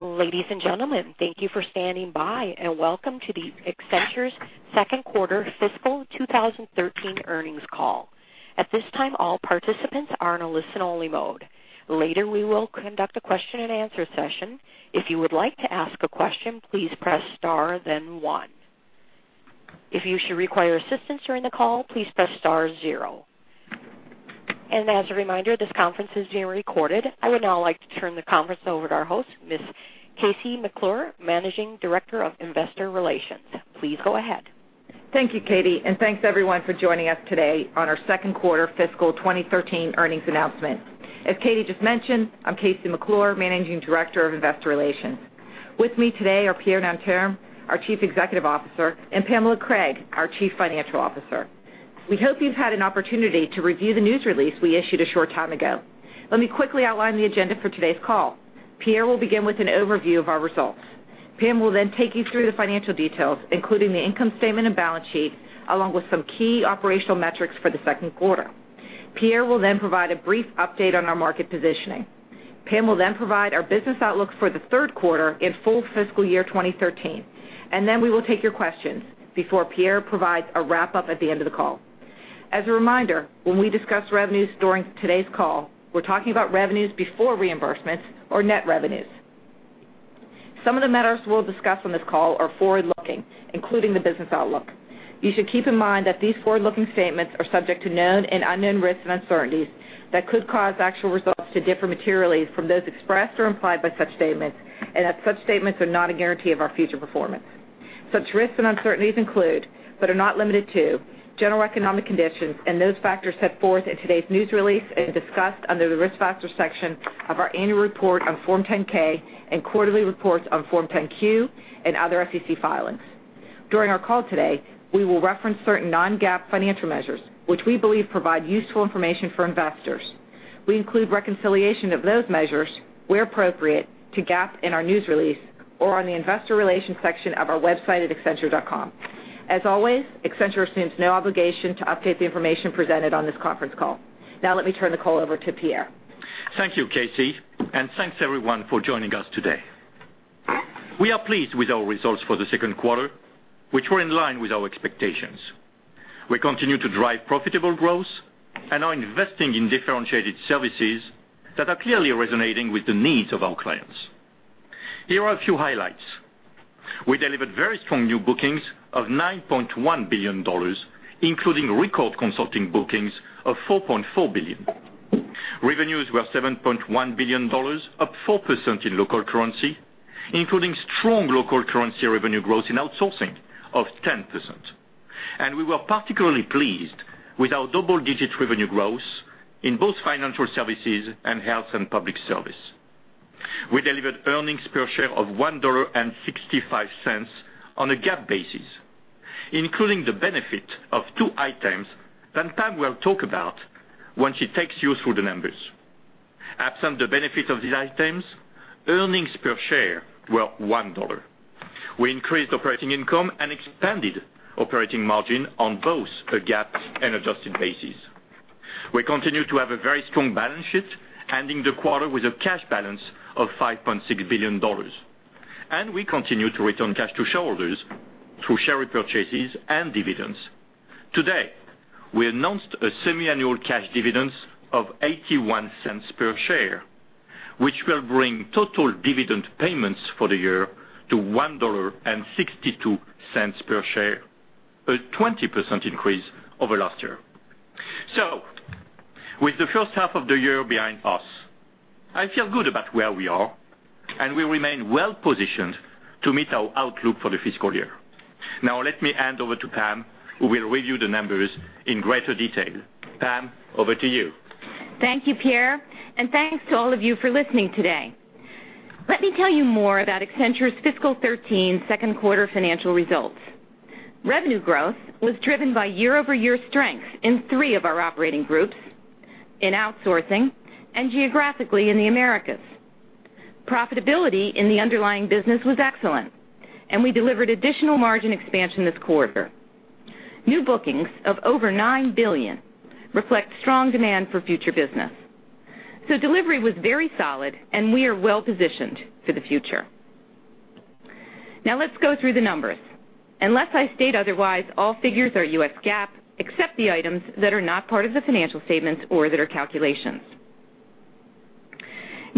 Ladies and gentlemen, thank you for standing by and welcome to Accenture's second quarter fiscal 2013 earnings call. At this time, all participants are in a listen-only mode. Later, we will conduct a question and answer session. If you would like to ask a question, please press star then one. If you should require assistance during the call, please press star zero. As a reminder, this conference is being recorded. I would now like to turn the conference over to our host, Ms. KC McClure, Managing Director of Investor Relations. Please go ahead. Thank you, Katie, and thanks, everyone, for joining us today on our second quarter fiscal 2013 earnings announcement. As Katie just mentioned, I'm KC McClure, Managing Director of Investor Relations. With me today are Pierre Nanterme, our Chief Executive Officer, and Pamela Craig, our Chief Financial Officer. We hope you've had an opportunity to review the news release we issued a short time ago. Let me quickly outline the agenda for today's call. Pierre will begin with an overview of our results. Pam will take you through the financial details, including the income statement and balance sheet, along with some key operational metrics for the second quarter. Pierre will provide a brief update on our market positioning. Pam will provide our business outlook for the third quarter and full fiscal year 2013. We will take your questions before Pierre provides a wrap-up at the end of the call. As a reminder, when we discuss revenues during today's call, we're talking about revenues before reimbursements or net revenues. Some of the matters we'll discuss on this call are forward-looking, including the business outlook. You should keep in mind that these forward-looking statements are subject to known and unknown risks and uncertainties that could cause actual results to differ materially from those expressed or implied by such statements, and that such statements are not a guarantee of our future performance. Such risks and uncertainties include, but are not limited to, general economic conditions and those factors set forth in today's news release and discussed under the Risk Factors section of our annual report on Form 10-K and quarterly reports on Form 10-Q and other SEC filings. During our call today, we will reference certain non-GAAP financial measures, which we believe provide useful information for investors. We include reconciliation of those measures, where appropriate, to GAAP in our news release or on the investor relations section of our website at accenture.com. As always, Accenture assumes no obligation to update the information presented on this conference call. Let me turn the call over to Pierre. Thank you, KC, and thanks, everyone, for joining us today. We are pleased with our results for the second quarter, which were in line with our expectations. We continue to drive profitable growth and are investing in differentiated services that are clearly resonating with the needs of our clients. Here are a few highlights. We delivered very strong new bookings of $9.1 billion, including record consulting bookings of $4.4 billion. Revenues were $7.1 billion, up 4% in local currency, including strong local currency revenue growth in outsourcing of 10%. We were particularly pleased with our double-digit revenue growth in both financial services and health and public service. We delivered earnings per share of $1.65 on a GAAP basis, including the benefit of two items that Pam will talk about once she takes you through the numbers. Absent the benefit of these items, earnings per share were $1. We increased operating income and expanded operating margin on both a GAAP and adjusted basis. We continue to have a very strong balance sheet, ending the quarter with a cash balance of $5.6 billion. We continue to return cash to shareholders through share repurchases and dividends. Today, we announced a semiannual cash dividend of $0.81 per share, which will bring total dividend payments for the year to $1.62 per share, a 20% increase over last year. With the first half of the year behind us, I feel good about where we are, and we remain well-positioned to meet our outlook for the fiscal year. Let me hand over to Pam, who will review the numbers in greater detail. Pam, over to you. Thank you, Pierre, and thanks to all of you for listening today. Let me tell you more about Accenture's fiscal 2013 second quarter financial results. Revenue growth was driven by year-over-year strength in three of our operating groups, in outsourcing and geographically in the Americas. Profitability in the underlying business was excellent, and we delivered additional margin expansion this quarter. New bookings of over $9 billion reflect strong demand for future business. Delivery was very solid, and we are well-positioned for the future. Let's go through the numbers. Unless I state otherwise, all figures are U.S. GAAP, except the items that are not part of the financial statements or that are calculations.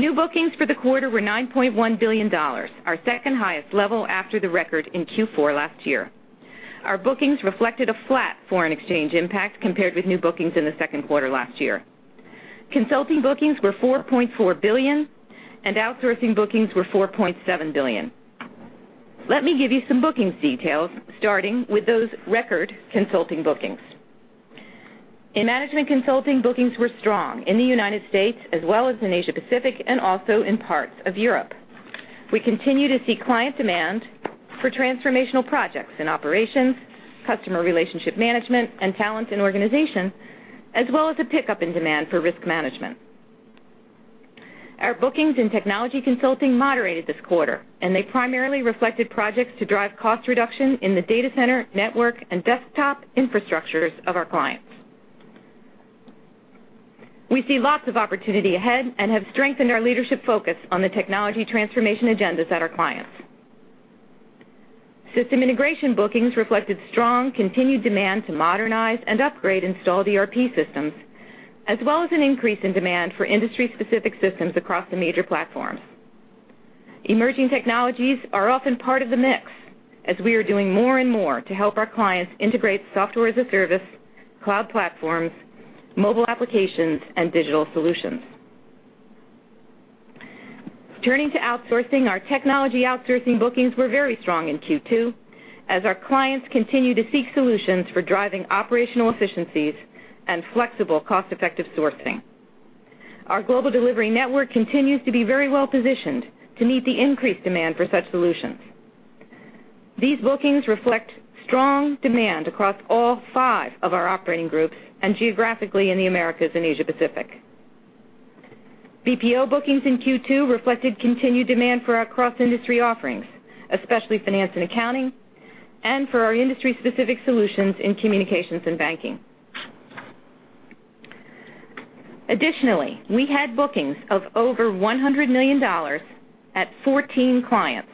New bookings for the quarter were $9.1 billion, our second highest level after the record in Q4 last year. Our bookings reflected a flat foreign exchange impact compared with new bookings in the second quarter last year. Consulting bookings were $4.4 billion, and outsourcing bookings were $4.7 billion. Let me give you some bookings details, starting with those record consulting bookings. In management consulting, bookings were strong in the United States as well as in Asia-Pacific and also in parts of Europe. We continue to see client demand for transformational projects in operations, customer relationship management, and talent and organization, as well as a pickup in demand for risk management. Our bookings in technology consulting moderated this quarter, and they primarily reflected projects to drive cost reduction in the data center, network, and desktop infrastructures of our clients. We see lots of opportunity ahead and have strengthened our leadership focus on the technology transformation agendas at our clients. System integration bookings reflected strong continued demand to modernize and upgrade installed ERP systems, as well as an increase in demand for industry-specific systems across the major platforms. Emerging technologies are often part of the mix, as we are doing more and more to help our clients integrate software as a service, cloud platforms, mobile applications, and digital solutions. Turning to outsourcing, our technology outsourcing bookings were very strong in Q2 as our clients continue to seek solutions for driving operational efficiencies and flexible cost-effective sourcing. Our Global Delivery Network continues to be very well-positioned to meet the increased demand for such solutions. These bookings reflect strong demand across all 5 of our operating groups and geographically in the Americas and Asia Pacific. BPO bookings in Q2 reflected continued demand for our cross-industry offerings, especially finance and accounting, and for our industry-specific solutions in communications and banking. Additionally, we had bookings of over $100 million at 14 clients,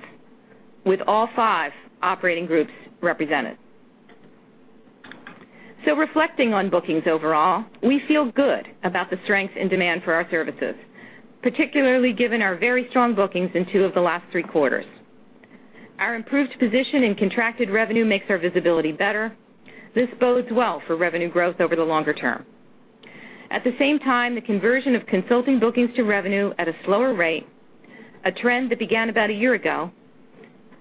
with all 5 operating groups represented. Reflecting on bookings overall, we feel good about the strength and demand for our services, particularly given our very strong bookings in 2 of the last 3 quarters. Our improved position in contracted revenue makes our visibility better. This bodes well for revenue growth over the longer term. At the same time, the conversion of consulting bookings to revenue at a slower rate, a trend that began about a year ago,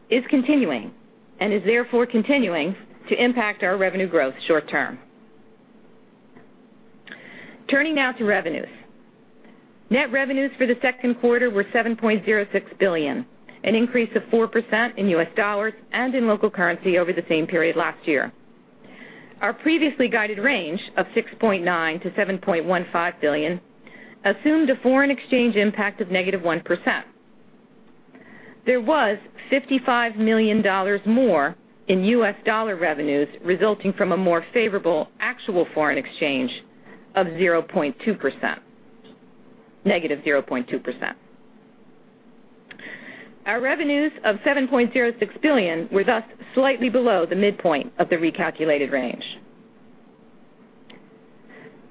is continuing, and is therefore continuing to impact our revenue growth short term. Turning now to revenues. Net revenues for the second quarter were $7.06 billion, an increase of 4% in US dollars and in local currency over the same period last year. Our previously guided range of $6.9 billion-$7.15 billion assumed a foreign exchange impact of -1%. There was $55 million more in US dollar revenues resulting from a more favorable actual foreign exchange of -0.2%. Our revenues of $7.06 billion were thus slightly below the midpoint of the recalculated range.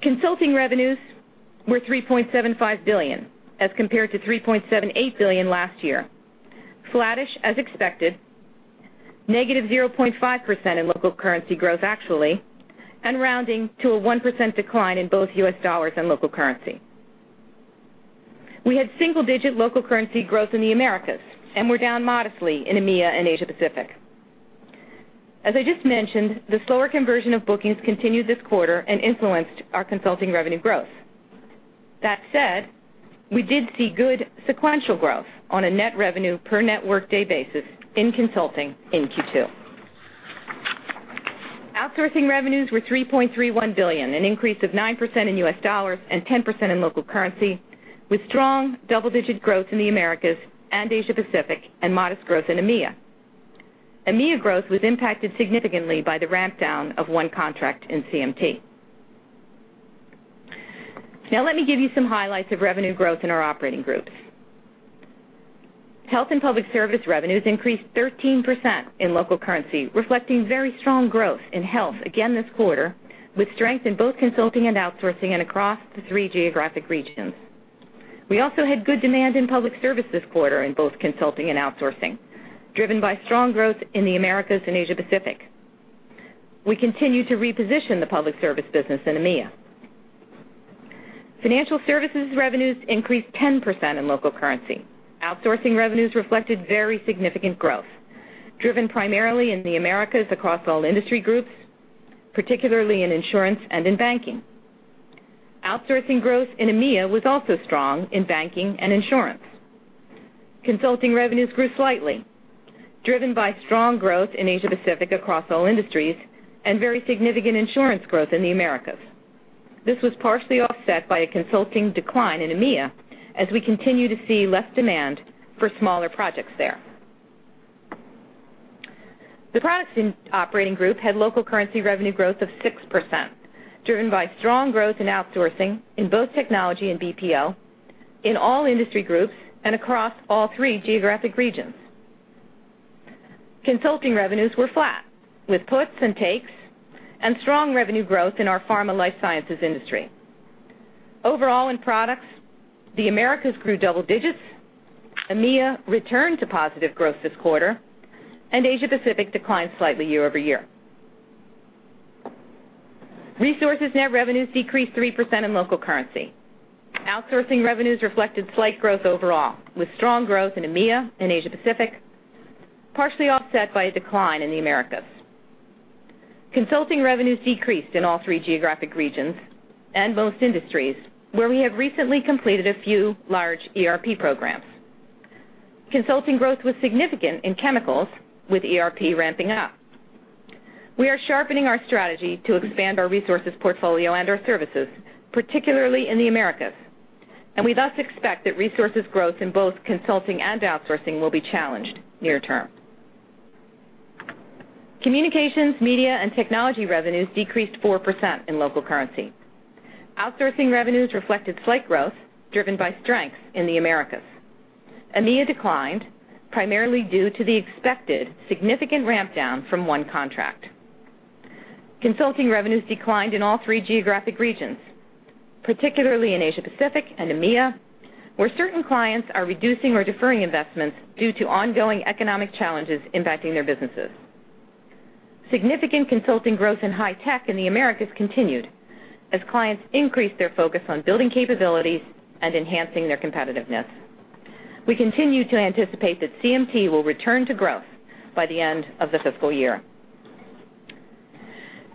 Consulting revenues were $3.75 billion as compared to $3.78 billion last year, flattish as expected, -0.5% in local currency growth actually, and rounding to a 1% decline in both US dollars and local currency. We had single-digit local currency growth in the Americas and were down modestly in EMEA and Asia Pacific. As I just mentioned, the slower conversion of bookings continued this quarter and influenced our consulting revenue growth. That said, we did see good sequential growth on a net revenue per network day basis in consulting in Q2. Outsourcing revenues were $3.31 billion, an increase of 9% in US dollars and 10% in local currency, with strong double-digit growth in the Americas and Asia Pacific and modest growth in EMEA. EMEA growth was impacted significantly by the ramp down of one contract in CMT. Let me give you some highlights of revenue growth in our operating groups. Health and Public Service revenues increased 13% in local currency, reflecting very strong growth in health again this quarter, with strength in both consulting and outsourcing and across the 3 geographic regions. We also had good demand in public service this quarter in both consulting and outsourcing, driven by strong growth in the Americas and Asia Pacific. We continue to reposition the public service business in EMEA. Financial Services revenues increased 10% in local currency. Outsourcing revenues reflected very significant growth, driven primarily in the Americas across all industry groups, particularly in insurance and in banking. Outsourcing growth in EMEA was also strong in banking and insurance. Consulting revenues grew slightly, driven by strong growth in Asia Pacific across all industries, and very significant insurance growth in the Americas. This was partially offset by a consulting decline in EMEA, as we continue to see less demand for smaller projects there. The Products operating group had local currency revenue growth of 6%, driven by strong growth in outsourcing in both technology and BPO in all industry groups and across all three geographic regions. Consulting revenues were flat with puts and takes and strong revenue growth in our pharma life sciences industry. Overall, in products, the Americas grew double digits, EMEA returned to positive growth this quarter, and Asia Pacific declined slightly year-over-year. Resources net revenues decreased 3% in local currency. Outsourcing revenues reflected slight growth overall, with strong growth in EMEA and Asia Pacific, partially offset by a decline in the Americas. Consulting revenues decreased in all three geographic regions and most industries where we have recently completed a few large ERP programs. Consulting growth was significant in chemicals with ERP ramping up. We are sharpening our strategy to expand our resources portfolio and our services, particularly in the Americas, and we thus expect that resources growth in both consulting and outsourcing will be challenged near-term. Communications, media, and technology revenues decreased 4% in local currency. Outsourcing revenues reflected slight growth driven by strengths in the Americas. EMEA declined primarily due to the expected significant ramp down from one contract. Consulting revenues declined in all three geographic regions, particularly in Asia Pacific and EMEA, where certain clients are reducing or deferring investments due to ongoing economic challenges impacting their businesses. Significant consulting growth in high tech in the Americas continued as clients increased their focus on building capabilities and enhancing their competitiveness. We continue to anticipate that CMT will return to growth by the end of the fiscal year.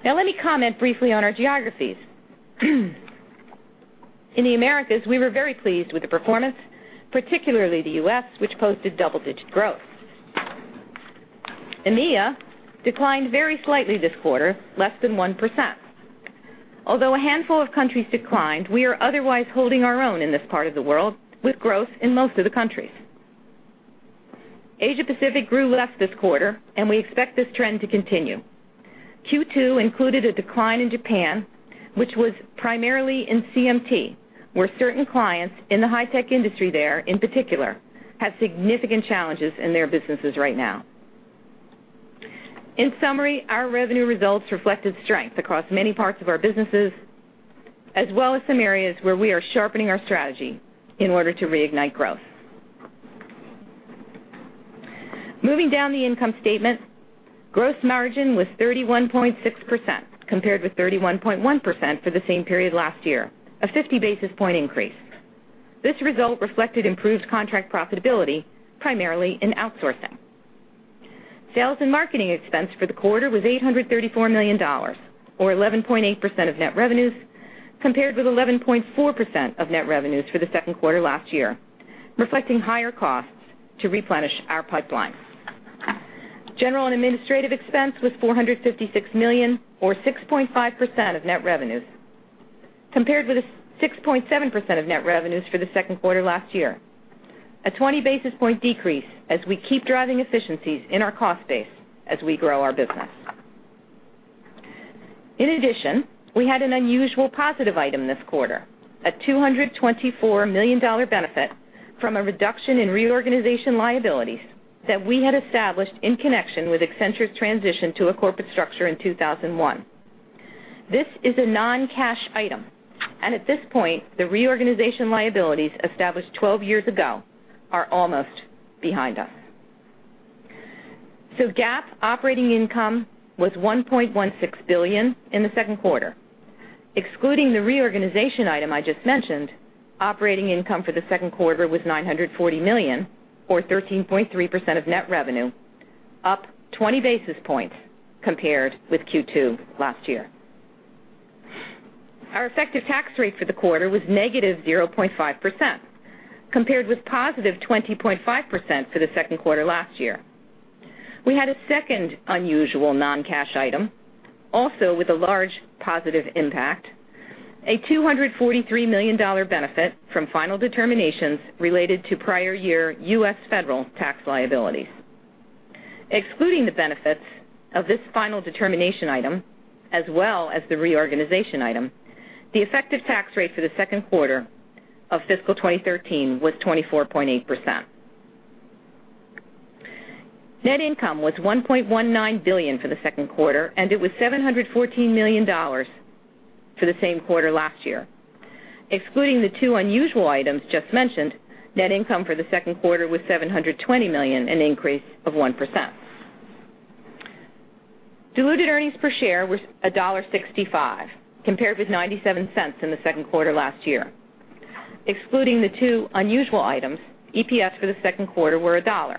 Let me comment briefly on our geographies. In the Americas, we were very pleased with the performance, particularly the U.S., which posted double-digit growth. EMEA declined very slightly this quarter, less than 1%. Although a handful of countries declined, we are otherwise holding our own in this part of the world, with growth in most of the countries. Asia Pacific grew less this quarter, and we expect this trend to continue. Q2 included a decline in Japan, which was primarily in CMT, where certain clients in the high-tech industry there, in particular, have significant challenges in their businesses right now. In summary, our revenue results reflected strength across many parts of our businesses, as well as some areas where we are sharpening our strategy in order to reignite growth. Moving down the income statement, gross margin was 31.6% compared with 31.1% for the same period last year, a 50-basis point increase. This result reflected improved contract profitability, primarily in outsourcing. Sales and marketing expense for the quarter was $834 million, or 11.8% of net revenues, compared with 11.4% of net revenues for the second quarter last year, reflecting higher costs to replenish our pipeline. General and administrative expense was $456 million, or 6.5% of net revenues, compared with 6.7% of net revenues for the second quarter last year, a 20-basis point decrease as we keep driving efficiencies in our cost base as we grow our business. In addition, we had an unusual positive item this quarter, a $224 million benefit from a reduction in reorganization liabilities that we had established in connection with Accenture's transition to a corporate structure in 2001. This is a non-cash item, and at this point, the reorganization liabilities established 12 years ago are almost behind us. GAAP operating income was $1.16 billion in the second quarter. Excluding the reorganization item I just mentioned, operating income for the second quarter was $940 million, or 13.3% of net revenue, up 20 basis points compared with Q2 last year. Our effective tax rate for the quarter was negative 0.5%, compared with positive 20.5% for the second quarter last year. We had a second unusual non-cash item, also with a large positive impact, a $243 million benefit from final determinations related to prior year U.S. federal tax liabilities. Excluding the benefits of this final determination item, as well as the reorganization item, the effective tax rate for the second quarter of fiscal 2013 was 24.8%. Net income was $1.19 billion for the second quarter, and it was $714 million for the same quarter last year. Excluding the two unusual items just mentioned, net income for the second quarter was $720 million, an increase of 1%. Diluted earnings per share were $1.65, compared with $0.97 in the second quarter last year. Excluding the two unusual items, EPS for the second quarter were $1.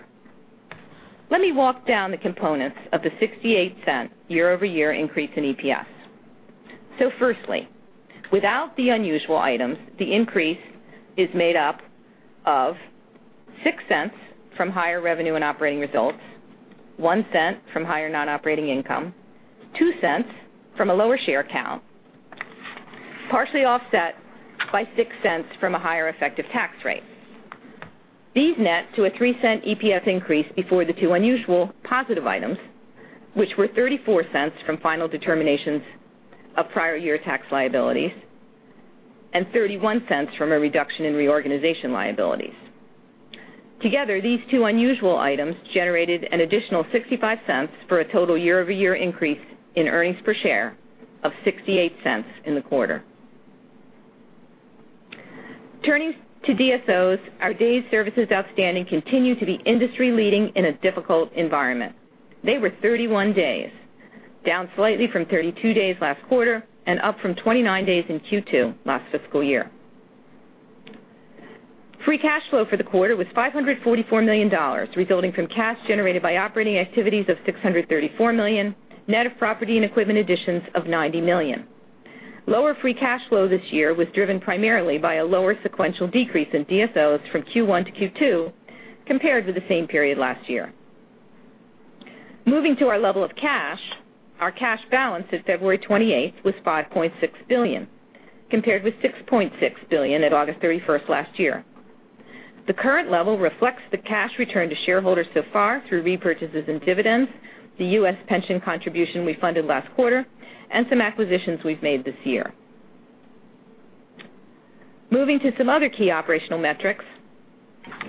Let me walk down the components of the $0.68 year-over-year increase in EPS. Firstly, without the unusual items, the increase is made up of $0.06 from higher revenue and operating results, $0.01 from higher non-operating income, $0.02 from a lower share count, partially offset by $0.06 from a higher effective tax rate. These net to a $0.03 EPS increase before the two unusual positive items, which were $0.34 from final determinations of prior year tax liabilities and $0.31 from a reduction in reorganization liabilities. Together, these two unusual items generated an additional $0.65 for a total year-over-year increase in earnings per share of $0.68 in the quarter. Turning to DSOs, our Days Sales Outstanding continue to be industry leading in a difficult environment. They were 31 days, down slightly from 32 days last quarter and up from 29 days in Q2 last fiscal year. Free cash flow for the quarter was $544 million, resulting from cash generated by operating activities of $634 million, net of property and equipment additions of $90 million. Lower free cash flow this year was driven primarily by a lower sequential decrease in DSOs from Q1 to Q2 compared with the same period last year. Moving to our level of cash, our cash balance at February 28th was $5.6 billion, compared with $6.6 billion at August 31st last year. The current level reflects the cash returned to shareholders so far through repurchases and dividends, the U.S. pension contribution we funded last quarter, and some acquisitions we've made this year. Moving to some other key operational metrics.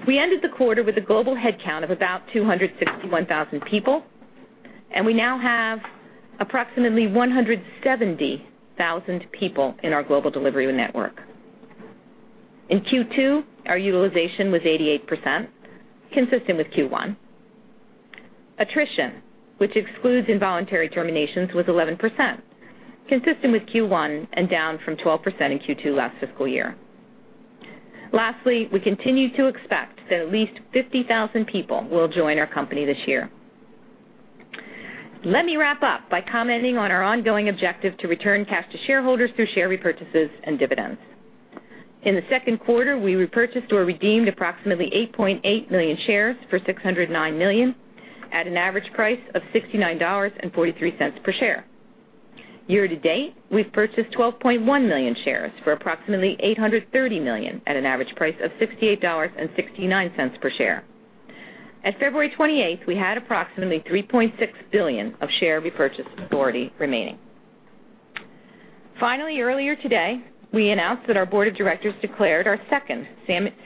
We ended the quarter with a global headcount of about 261,000 people, and we now have approximately 170,000 people in our Global Delivery Network. In Q2, our utilization was 88%, consistent with Q1. Attrition, which excludes involuntary terminations, was 11%, consistent with Q1, and down from 12% in Q2 last fiscal year. Lastly, we continue to expect that at least 50,000 people will join our company this year. Let me wrap up by commenting on our ongoing objective to return cash to shareholders through share repurchases and dividends. In the second quarter, we repurchased or redeemed approximately 8.8 million shares for $609 million, at an average price of $69.43 per share. Year to date, we've purchased 12.1 million shares for approximately $830 million at an average price of $68.69 per share. At February 28th, we had approximately $3.6 billion of share repurchase authority remaining. Finally, earlier today, we announced that our board of directors declared our second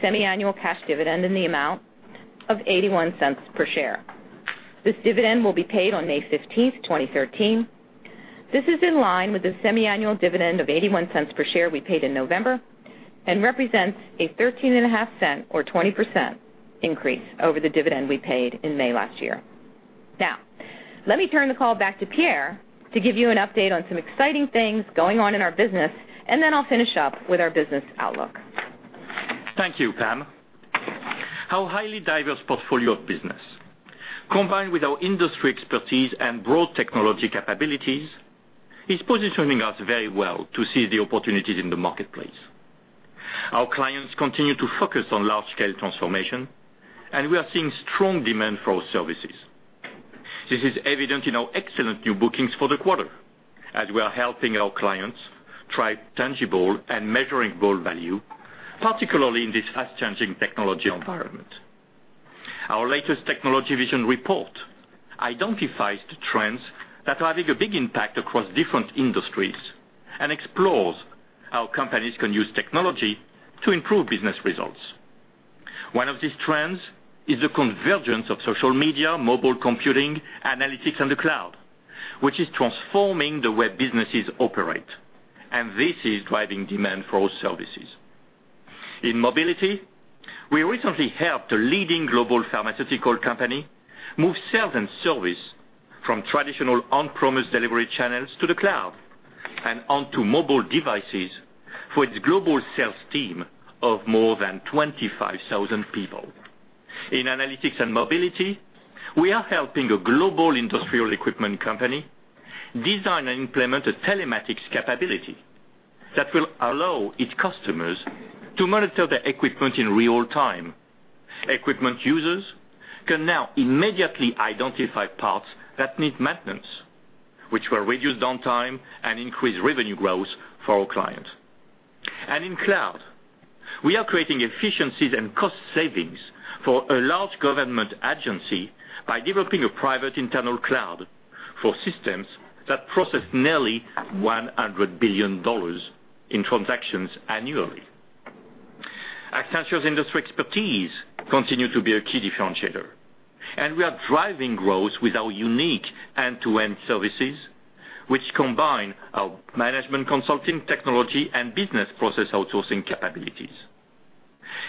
semiannual cash dividend in the amount of $0.81 per share. This dividend will be paid on May 15th, 2013. This is in line with the semiannual dividend of $0.81 per share we paid in November, and represents a $0.135, or 20% increase over the dividend we paid in May last year. Let me turn the call back to Pierre to give you an update on some exciting things going on in our business, and then I'll finish up with our business outlook. Thank you, Pam. Our highly diverse portfolio of business, combined with our industry expertise and broad technology capabilities, is positioning us very well to seize the opportunities in the marketplace. Our clients continue to focus on large-scale transformation, and we are seeing strong demand for our services. This is evident in our excellent new bookings for the quarter, as we are helping our clients drive tangible and measurable value, particularly in this fast-changing technology environment. Our latest Technology Vision report identifies the trends that are having a big impact across different industries, and explores how companies can use technology to improve business results. One of these trends is the convergence of social media, mobile computing, analytics, and the cloud, which is transforming the way businesses operate, and this is driving demand for our services. In mobility, we recently helped a leading global pharmaceutical company move sales and service from traditional on-premise delivery channels to the cloud, and onto mobile devices for its global sales team of more than 25,000 people. In analytics and mobility, we are helping a global industrial equipment company design and implement a telematics capability that will allow its customers to monitor their equipment in real time. Equipment users can now immediately identify parts that need maintenance, which will reduce downtime and increase revenue growth for our client. And in cloud, we are creating efficiencies and cost savings for a large government agency by developing a private internal cloud for systems that process nearly $100 billion in transactions annually. Accenture's industry expertise continue to be a key differentiator, and we are driving growth with our unique end-to-end services, which combine our management consulting, technology, and business process outsourcing capabilities.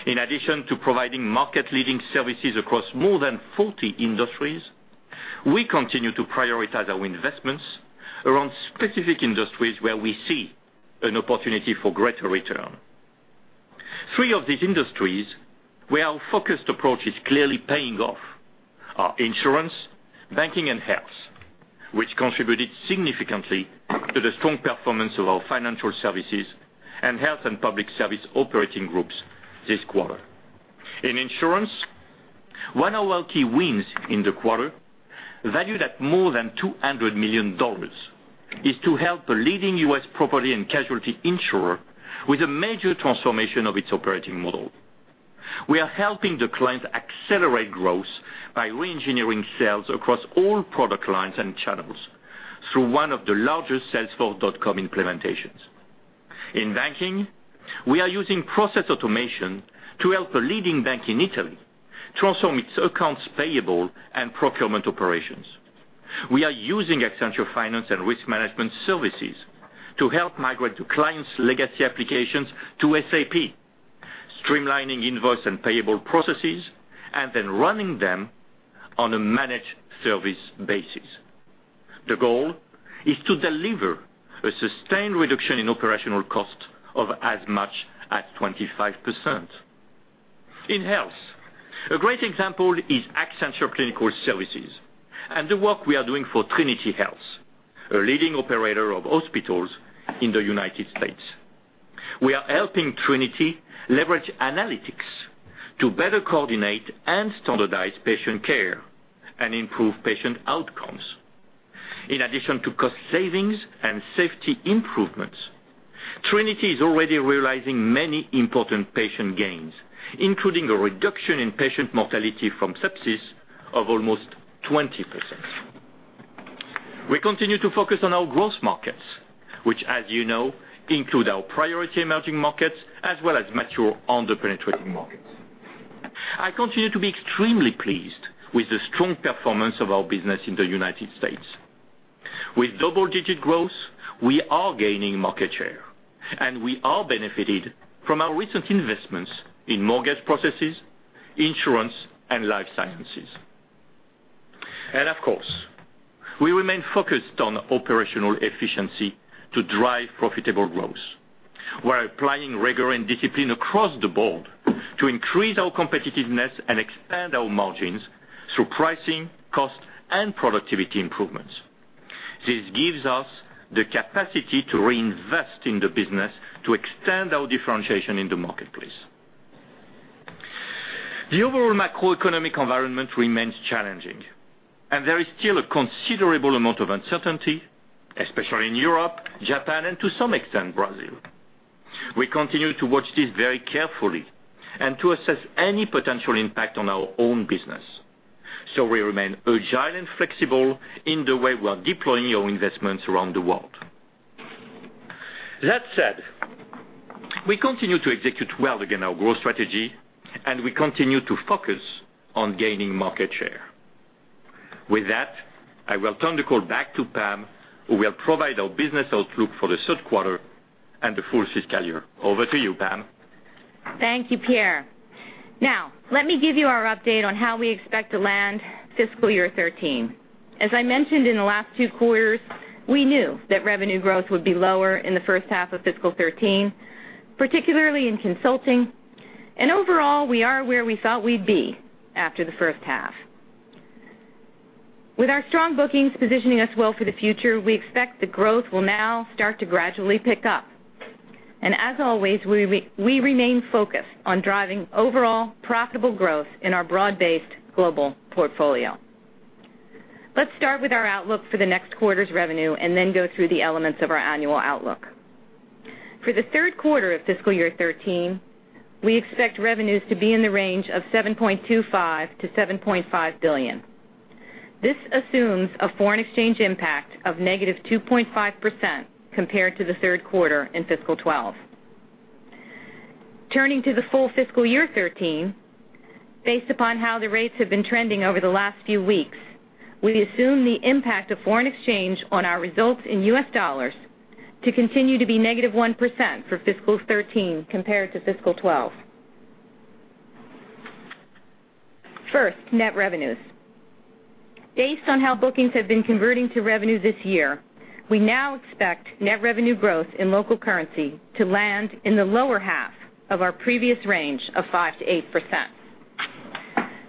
In addition to providing market-leading services across more than 40 industries, we continue to prioritize our investments around specific industries where we see an opportunity for greater return. Three of these industries where our focused approach is clearly paying off are insurance, banking, and health, which contributed significantly to the strong performance of our financial services and health and public service operating groups this quarter. In insurance, one of our key wins in the quarter, valued at more than $200 million, is to help a leading U.S. property and casualty insurer with a major transformation of its operating model. We are helping the client accelerate growth by reengineering sales across all product lines and channels through one of the largest Salesforce.com implementations. In banking, we are using process automation to help a leading bank in Italy transform its accounts payable and procurement operations. We are using Accenture Finance and Risk services to help migrate the client's legacy applications to SAP, streamlining invoice and payable processes, then running them on a managed service basis. The goal is to deliver a sustained reduction in operational cost of as much as 25%. In health, a great example is Accenture Clinical Services, and the work we are doing for Trinity Health, a leading operator of hospitals in the U.S. We are helping Trinity leverage analytics to better coordinate and standardize patient care and improve patient outcomes. In addition to cost savings and safety improvements, Trinity is already realizing many important patient gains, including a reduction in patient mortality from sepsis of almost 20%. We continue to focus on our growth markets, which as you know, include our priority emerging markets as well as mature under-penetrating markets. I continue to be extremely pleased with the strong performance of our business in the U.S. With double-digit growth, we are gaining market share, and we are benefited from our recent investments in mortgage processes, insurance, and life sciences. Of course, we remain focused on operational efficiency to drive profitable growth. We're applying rigor and discipline across the board to increase our competitiveness and expand our margins through pricing, cost, and productivity improvements. This gives us the capacity to reinvest in the business to extend our differentiation in the marketplace. The overall macroeconomic environment remains challenging, there is still a considerable amount of uncertainty, especially in Europe, Japan, and to some extent, Brazil. We continue to watch this very carefully and to assess any potential impact on our own business. We remain agile and flexible in the way we are deploying our investments around the world. That said, we continue to execute well against our growth strategy, we continue to focus on gaining market share. With that, I will turn the call back to Pam, who will provide our business outlook for the third quarter and the full fiscal year. Over to you, Pam. Thank you, Pierre. Now, let me give you our update on how we expect to land fiscal year 2013. As I mentioned in the last two quarters, we knew that revenue growth would be lower in the first half of fiscal 2013, particularly in consulting. Overall, we are where we thought we'd be after the first half. With our strong bookings positioning us well for the future, we expect the growth will now start to gradually pick up. As always, we remain focused on driving overall profitable growth in our broad-based global portfolio. Let's start with our outlook for the next quarter's revenue and then go through the elements of our annual outlook. For the third quarter of fiscal year 2013, we expect revenues to be in the range of $7.25 billion-$7.5 billion. This assumes a foreign exchange impact of -2.5% compared to the third quarter in fiscal 2012. Turning to the full fiscal year 2013, based upon how the rates have been trending over the last few weeks, we assume the impact of foreign exchange on our results in US dollars to continue to be -1% for fiscal 2013 compared to fiscal 2012. First, net revenues. Based on how bookings have been converting to revenues this year, we now expect net revenue growth in local currency to land in the lower half of our previous range of 5%-8%.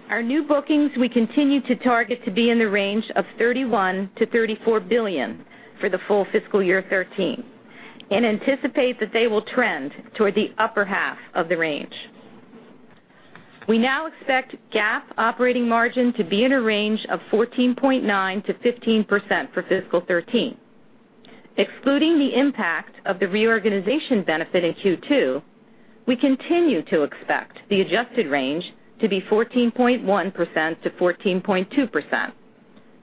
Our new bookings, we continue to target to be in the range of $31 billion-$34 billion for the full fiscal year 2013 and anticipate that they will trend toward the upper half of the range. We now expect GAAP operating margin to be in a range of 14.9%-15% for fiscal 2013. Excluding the impact of the reorganization benefit in Q2, we continue to expect the adjusted range to be 14.1%-14.2%,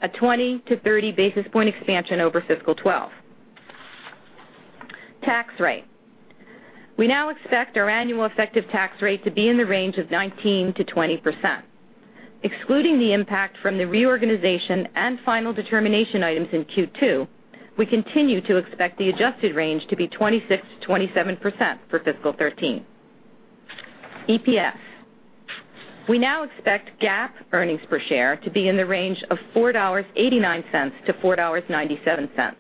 a 20 to 30 basis point expansion over fiscal 2012. Tax rate. We now expect our annual effective tax rate to be in the range of 19%-20%. Excluding the impact from the reorganization and final determination items in Q2, we continue to expect the adjusted range to be 26%-27% for fiscal 2013. EPS. We now expect GAAP earnings per share to be in the range of $4.89-$4.97.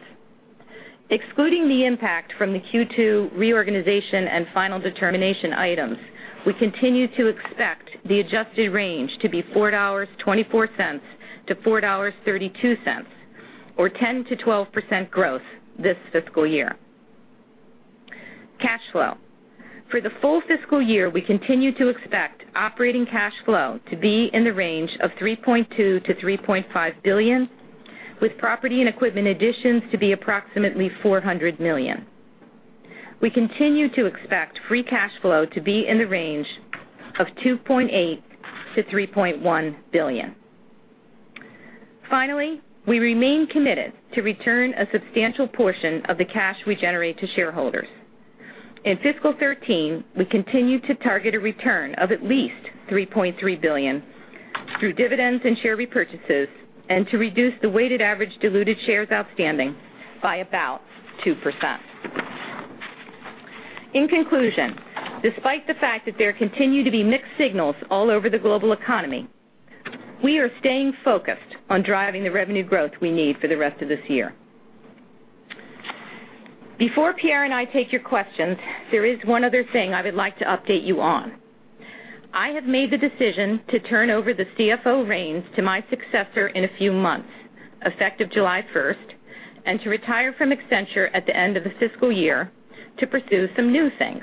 Excluding the impact from the Q2 reorganization and final determination items, we continue to expect the adjusted range to be $4.24-$4.32 or 10%-12% growth this fiscal year. Cash flow. For the full fiscal year, we continue to expect operating cash flow to be in the range of $3.2 billion-$3.5 billion, with property and equipment additions to be approximately $400 million. We continue to expect free cash flow to be in the range of $2.8 billion-$3.1 billion. Finally, we remain committed to return a substantial portion of the cash we generate to shareholders. In fiscal 2013, we continue to target a return of at least $3.3 billion through dividends and share repurchases and to reduce the weighted average diluted shares outstanding by about 2%. In conclusion, despite the fact that there continue to be mixed signals all over the global economy, we are staying focused on driving the revenue growth we need for the rest of this year. Before Pierre and I take your questions, there is one other thing I would like to update you on. I have made the decision to turn over the CFO reins to my successor in a few months, effective July 1st, and to retire from Accenture at the end of the fiscal year to pursue some new things.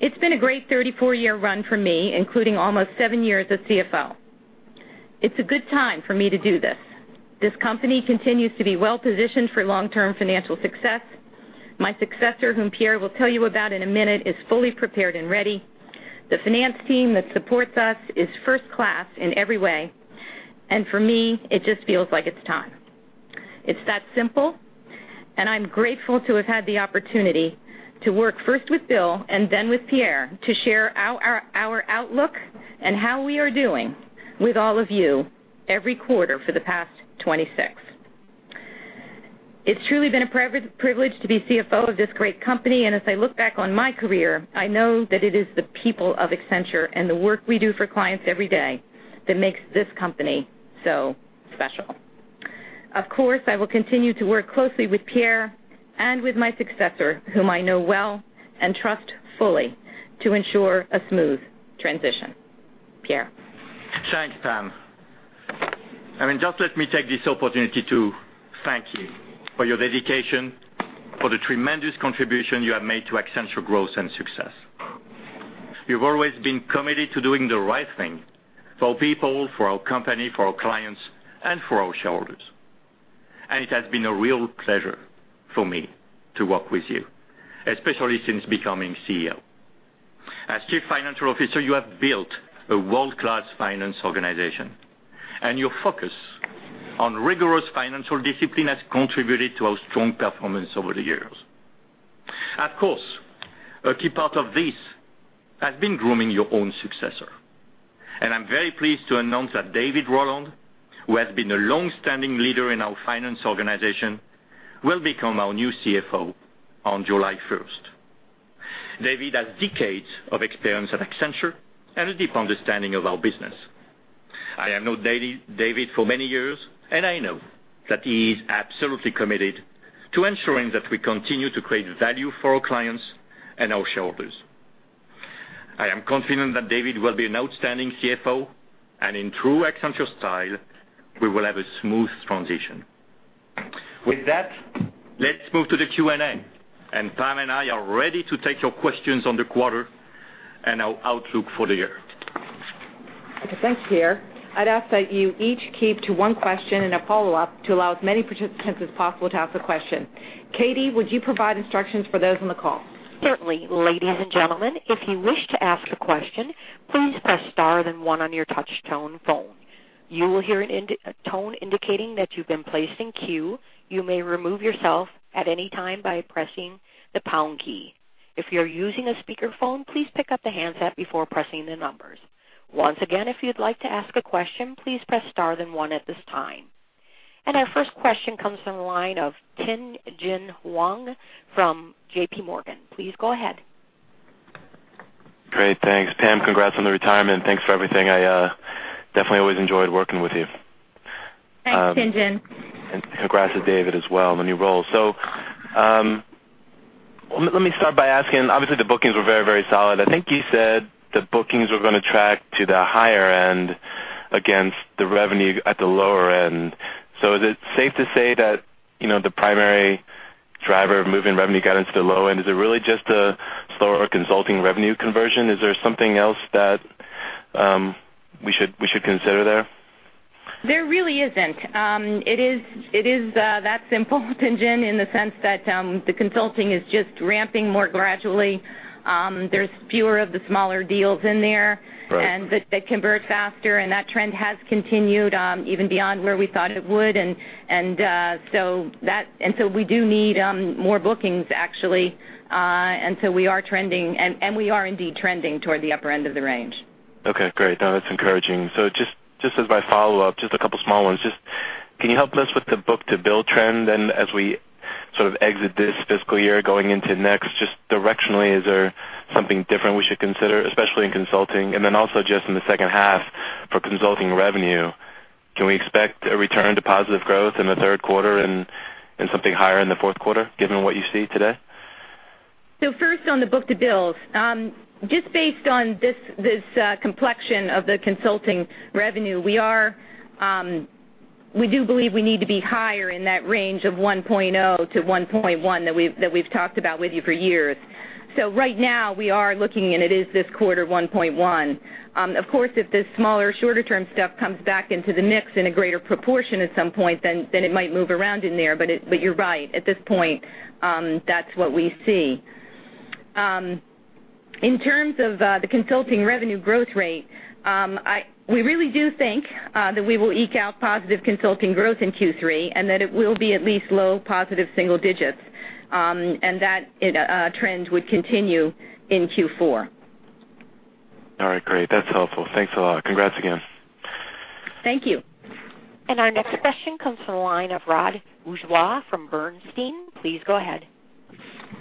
It's been a great 34-year run for me, including almost seven years as CFO. It's a good time for me to do this. This company continues to be well-positioned for long-term financial success. My successor, whom Pierre will tell you about in a minute, is fully prepared and ready. The finance team that supports us is first class in every way, for me, it just feels like it's time. It's that simple, I'm grateful to have had the opportunity to work, first with Bill and then with Pierre, to share our outlook and how we are doing with all of you every quarter for the past 26. It's truly been a privilege to be CFO of this great company. As I look back on my career, I know that it is the people of Accenture and the work we do for clients every day that makes this company so special. Of course, I will continue to work closely with Pierre and with my successor, whom I know well and trust fully to ensure a smooth transition. Pierre. Thanks, Pam. Just let me take this opportunity to thank you for your dedication, for the tremendous contribution you have made to Accenture growth and success. You've always been committed to doing the right thing for our people, for our company, for our clients, and for our shareholders. It has been a real pleasure for me to work with you, especially since becoming CEO. As chief financial officer, you have built a world-class finance organization. Your focus on rigorous financial discipline has contributed to our strong performance over the years. Of course, a key part of this has been grooming your own successor. I'm very pleased to announce that David Rowland, who has been a longstanding leader in our finance organization, will become our new CFO on July 1st. David has decades of experience at Accenture and a deep understanding of our business. I have known David for many years, I know that he is absolutely committed to ensuring that we continue to create value for our clients and our shareholders. I am confident that David will be an outstanding CFO. In true Accenture style, we will have a smooth transition. With that, let's move to the Q&A, Pam and I are ready to take your questions on the quarter and our outlook for the year. Thanks, Pierre. I'd ask that you each keep to one question and a follow-up to allow as many participants as possible to ask a question. Katy, would you provide instructions for those on the call? Certainly. Ladies and gentlemen, if you wish to ask a question, please press star, then one on your touch tone phone. You will hear a tone indicating that you've been placed in queue. You may remove yourself at any time by pressing the pound key. If you're using a speakerphone, please pick up the handset before pressing the numbers. Once again, if you'd like to ask a question, please press star, then one at this time. Our first question comes from the line of Tien-Tsin Huang from JPMorgan. Please go ahead. Great. Thanks, Pam. Congrats on the retirement. Thanks for everything. I definitely always enjoyed working with you. Thanks, Tien-Tsin. Congrats to David as well on the new role. Let me start by asking, obviously, the bookings were very solid. I think you said the bookings were going to track to the higher end against the revenue at the lower end. Is it safe to say that the primary driver of moving revenue guidance to the low end is really just a slower consulting revenue conversion? Is there something else that we should consider there? There really isn't. It is that simple, Tien-Tsin, in the sense that the consulting is just ramping more gradually. There's fewer of the smaller deals in there- Right that convert faster, and that trend has continued even beyond where we thought it would. We do need more bookings, actually. We are indeed trending toward the upper end of the range. Okay, great. No, that's encouraging. Just as my follow-up, just a couple small ones. Can you help us with the book-to-bill trend then, as we sort of exit this fiscal year going into next, just directionally, is there something different we should consider, especially in consulting? Also just in the second half for consulting revenue, can we expect a return to positive growth in the third quarter and something higher in the fourth quarter given what you see today? First, on the book to bills. Just based on this complexion of the consulting revenue, we do believe we need to be higher in that range of 1.0-1.1 that we've talked about with you for years. Right now, we are looking, and it is this quarter 1.1. Of course, if this smaller, shorter-term stuff comes back into the mix in a greater proportion at some point, then it might move around in there. You're right. At this point, that's what we see. In terms of the consulting revenue growth rate, we really do think that we will eke out positive consulting growth in Q3, and that it will be at least low positive single digits. That trend would continue in Q4. All right, great. That's helpful. Thanks a lot. Congrats again. Thank you. Our next question comes from the line of Rod Bourgeois from Bernstein. Please go ahead.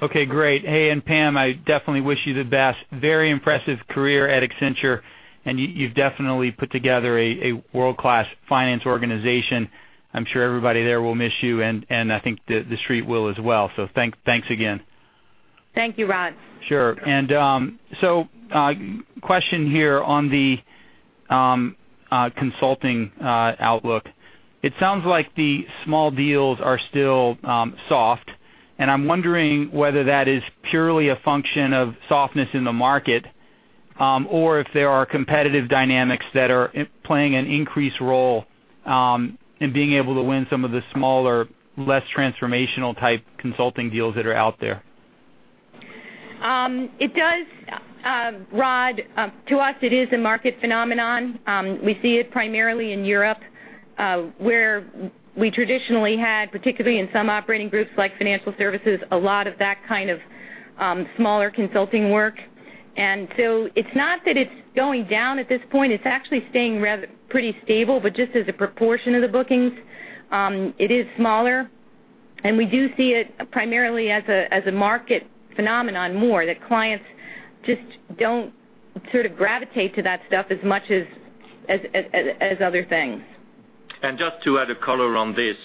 Okay, great. Hey, Pam, I definitely wish you the best. Very impressive career at Accenture, and you've definitely put together a world-class finance organization. I'm sure everybody there will miss you, and I think the street will as well. Thanks again. Thank you, Rod. Sure. Question here on the Consulting outlook. It sounds like the small deals are still soft, and I'm wondering whether that is purely a function of softness in the market or if there are competitive dynamics that are playing an increased role in being able to win some of the smaller, less transformational type consulting deals that are out there. It does, Rod. To us, it is a market phenomenon. We see it primarily in Europe where we traditionally had, particularly in some operating groups like financial services, a lot of that kind of smaller consulting work. It's not that it's going down at this point. It's actually staying pretty stable, but just as a proportion of the bookings, it is smaller. We do see it primarily as a market phenomenon more, that clients just don't gravitate to that stuff as much as other things. Just to add a color on this,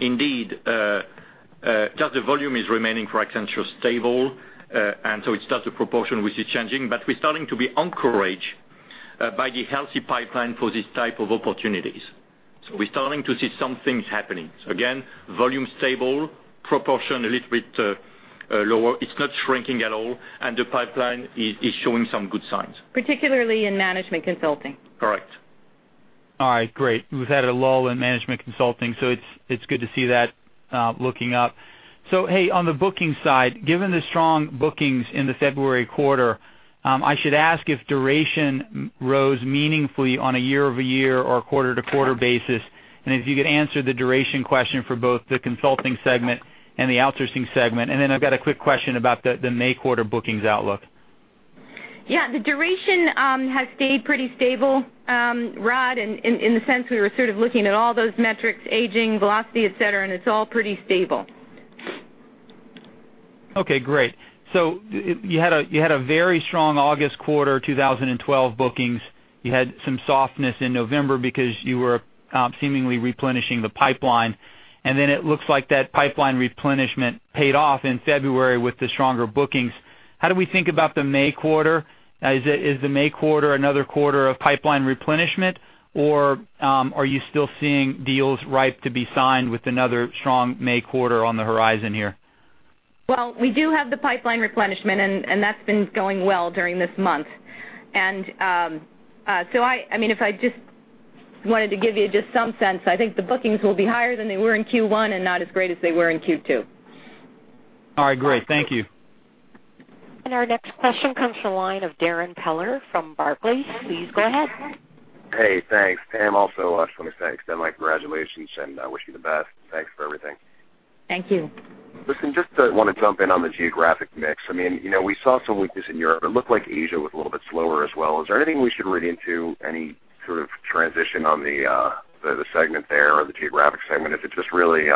indeed, just the volume is remaining for Accenture stable. It's just the proportion which is changing, but we're starting to be encouraged by the healthy pipeline for this type of opportunities. We're starting to see some things happening. Again, volume stable, proportion a little bit lower. It's not shrinking at all, and the pipeline is showing some good signs. Particularly in management consulting. Correct. All right, great. We've had a lull in management consulting, so it's good to see that looking up. Hey, on the booking side, given the strong bookings in the February quarter, I should ask if duration rose meaningfully on a year-over-year or quarter-over-quarter basis, and if you could answer the duration question for both the consulting segment and the outsourcing segment. I've got a quick question about the May quarter bookings outlook. Yeah, the duration has stayed pretty stable, Rod, in the sense we were sort of looking at all those metrics, aging, velocity, et cetera, and it's all pretty stable. Okay, great. You had a very strong August quarter 2012 bookings. You had some softness in November because you were seemingly replenishing the pipeline, then it looks like that pipeline replenishment paid off in February with the stronger bookings. How do we think about the May quarter? Is the May quarter another quarter of pipeline replenishment, or are you still seeing deals ripe to be signed with another strong May quarter on the horizon here? Well, we do have the pipeline replenishment, and that's been going well during this month. If I just wanted to give you just some sense, I think the bookings will be higher than they were in Q1 and not as great as they were in Q2. All right, great. Thank you. Our next question comes from the line of Darrin Peller from Barclays. Please go ahead. Hey, thanks. Pam, also I just want to say extend my congratulations and I wish you the best. Thanks for everything. Thank you. Listen, just want to jump in on the geographic mix. We saw some weakness in Europe. It looked like Asia was a little bit slower as well. Is there anything we should read into any sort of transition on the segment there or the geographic segment? Is it just really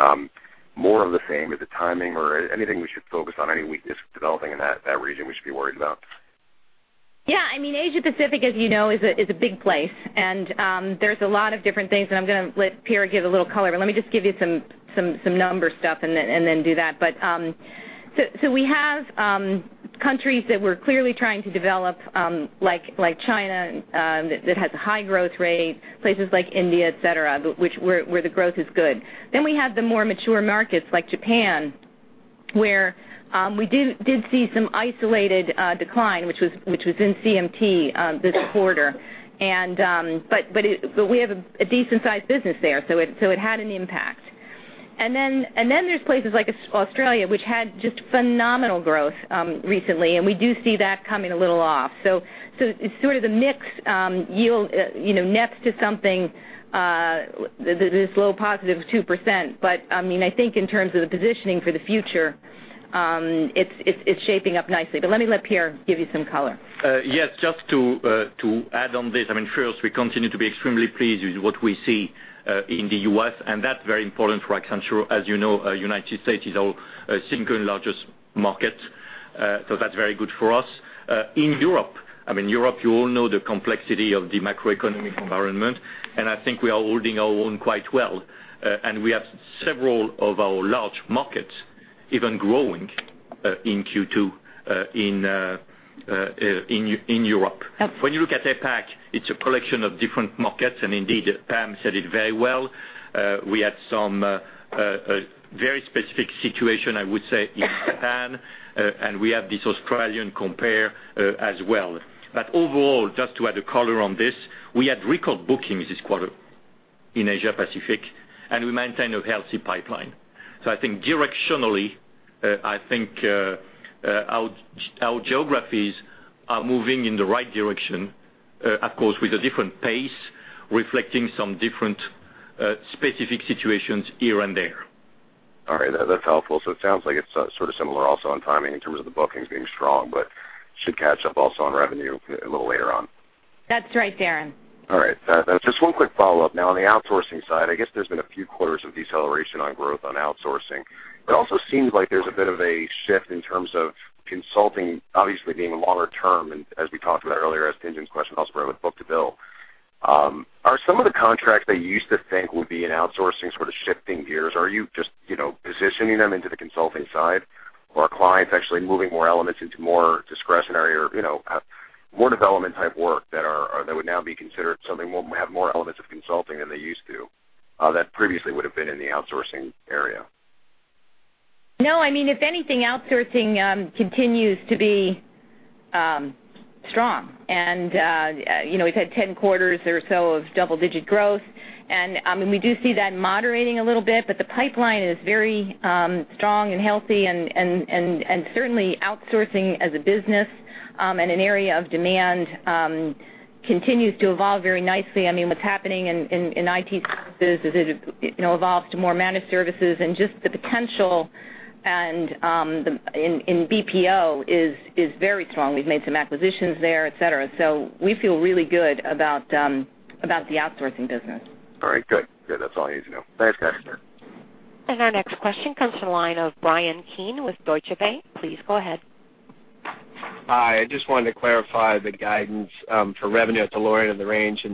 more of the same? Is it timing or anything we should focus on, any weakness developing in that region we should be worried about? Yeah, Asia Pacific, as you know, is a big place. There's a lot of different things, I'm going to let Pierre give a little color, let me just give you some number stuff and then do that. We have countries that we're clearly trying to develop, like China, that has a high growth rate, places like India, et cetera, where the growth is good. We have the more mature markets like Japan, where we did see some isolated decline, which was in CMT this quarter. We have a decent-sized business there, so it had an impact. There's places like Australia, which had just phenomenal growth recently, and we do see that coming a little off. It's sort of the mix nets to something that is low positive 2%. I think in terms of the positioning for the future, it's shaping up nicely. Let me let Pierre give you some color. Yes, just to add on this. First, we continue to be extremely pleased with what we see in the U.S., and that's very important for Accenture. As you know, United States is our single largest market. That's very good for us. In Europe, you all know the complexity of the macroeconomic environment, and I think we are holding our own quite well. We have several of our large markets even growing in Q2 in Europe. Absolutely. When you look at APAC, it's a collection of different markets, and indeed, Pam said it very well. We had some very specific situation, I would say, in Japan, and we have this Australian compare as well. Overall, just to add a color on this, we had record bookings this quarter in Asia Pacific, and we maintain a healthy pipeline. I think directionally, I think our geographies are moving in the right direction, of course, with a different pace, reflecting some different specific situations here and there. All right. That's helpful. It sounds like it's sort of similar also in timing in terms of the bookings being strong, but should catch up also on revenue a little later on. That's right, Darrin. All right. Just one quick follow-up now. On the outsourcing side, I guess there's been a few quarters of deceleration on growth on outsourcing. It also seems like there's a bit of a shift in terms of consulting obviously being longer term, and as we talked about earlier, as Tien-Tsin's question also around book-to-bill. Are some of the contracts that you used to think would be in outsourcing sort of shifting gears? Are you just positioning them into the consulting side? Or are clients actually moving more elements into more discretionary or more development type work that would now be considered something have more elements of consulting than they used to, that previously would've been in the outsourcing area? No, if anything, outsourcing continues to be strong. We've had 10 quarters or so of double-digit growth, and we do see that moderating a little bit, but the pipeline is very strong and healthy and certainly outsourcing as a business, and an area of demand continues to evolve very nicely. What's happening in IT services is it evolves to more managed services and just the potential in BPO is very strong. We've made some acquisitions there, et cetera. We feel really good about the outsourcing business. All right, good. That's all I need to know. Thanks, guys. Our next question comes to the line of Bryan Keane with Deutsche Bank. Please go ahead. Hi, I just wanted to clarify the guidance for revenue at the lower end of the range.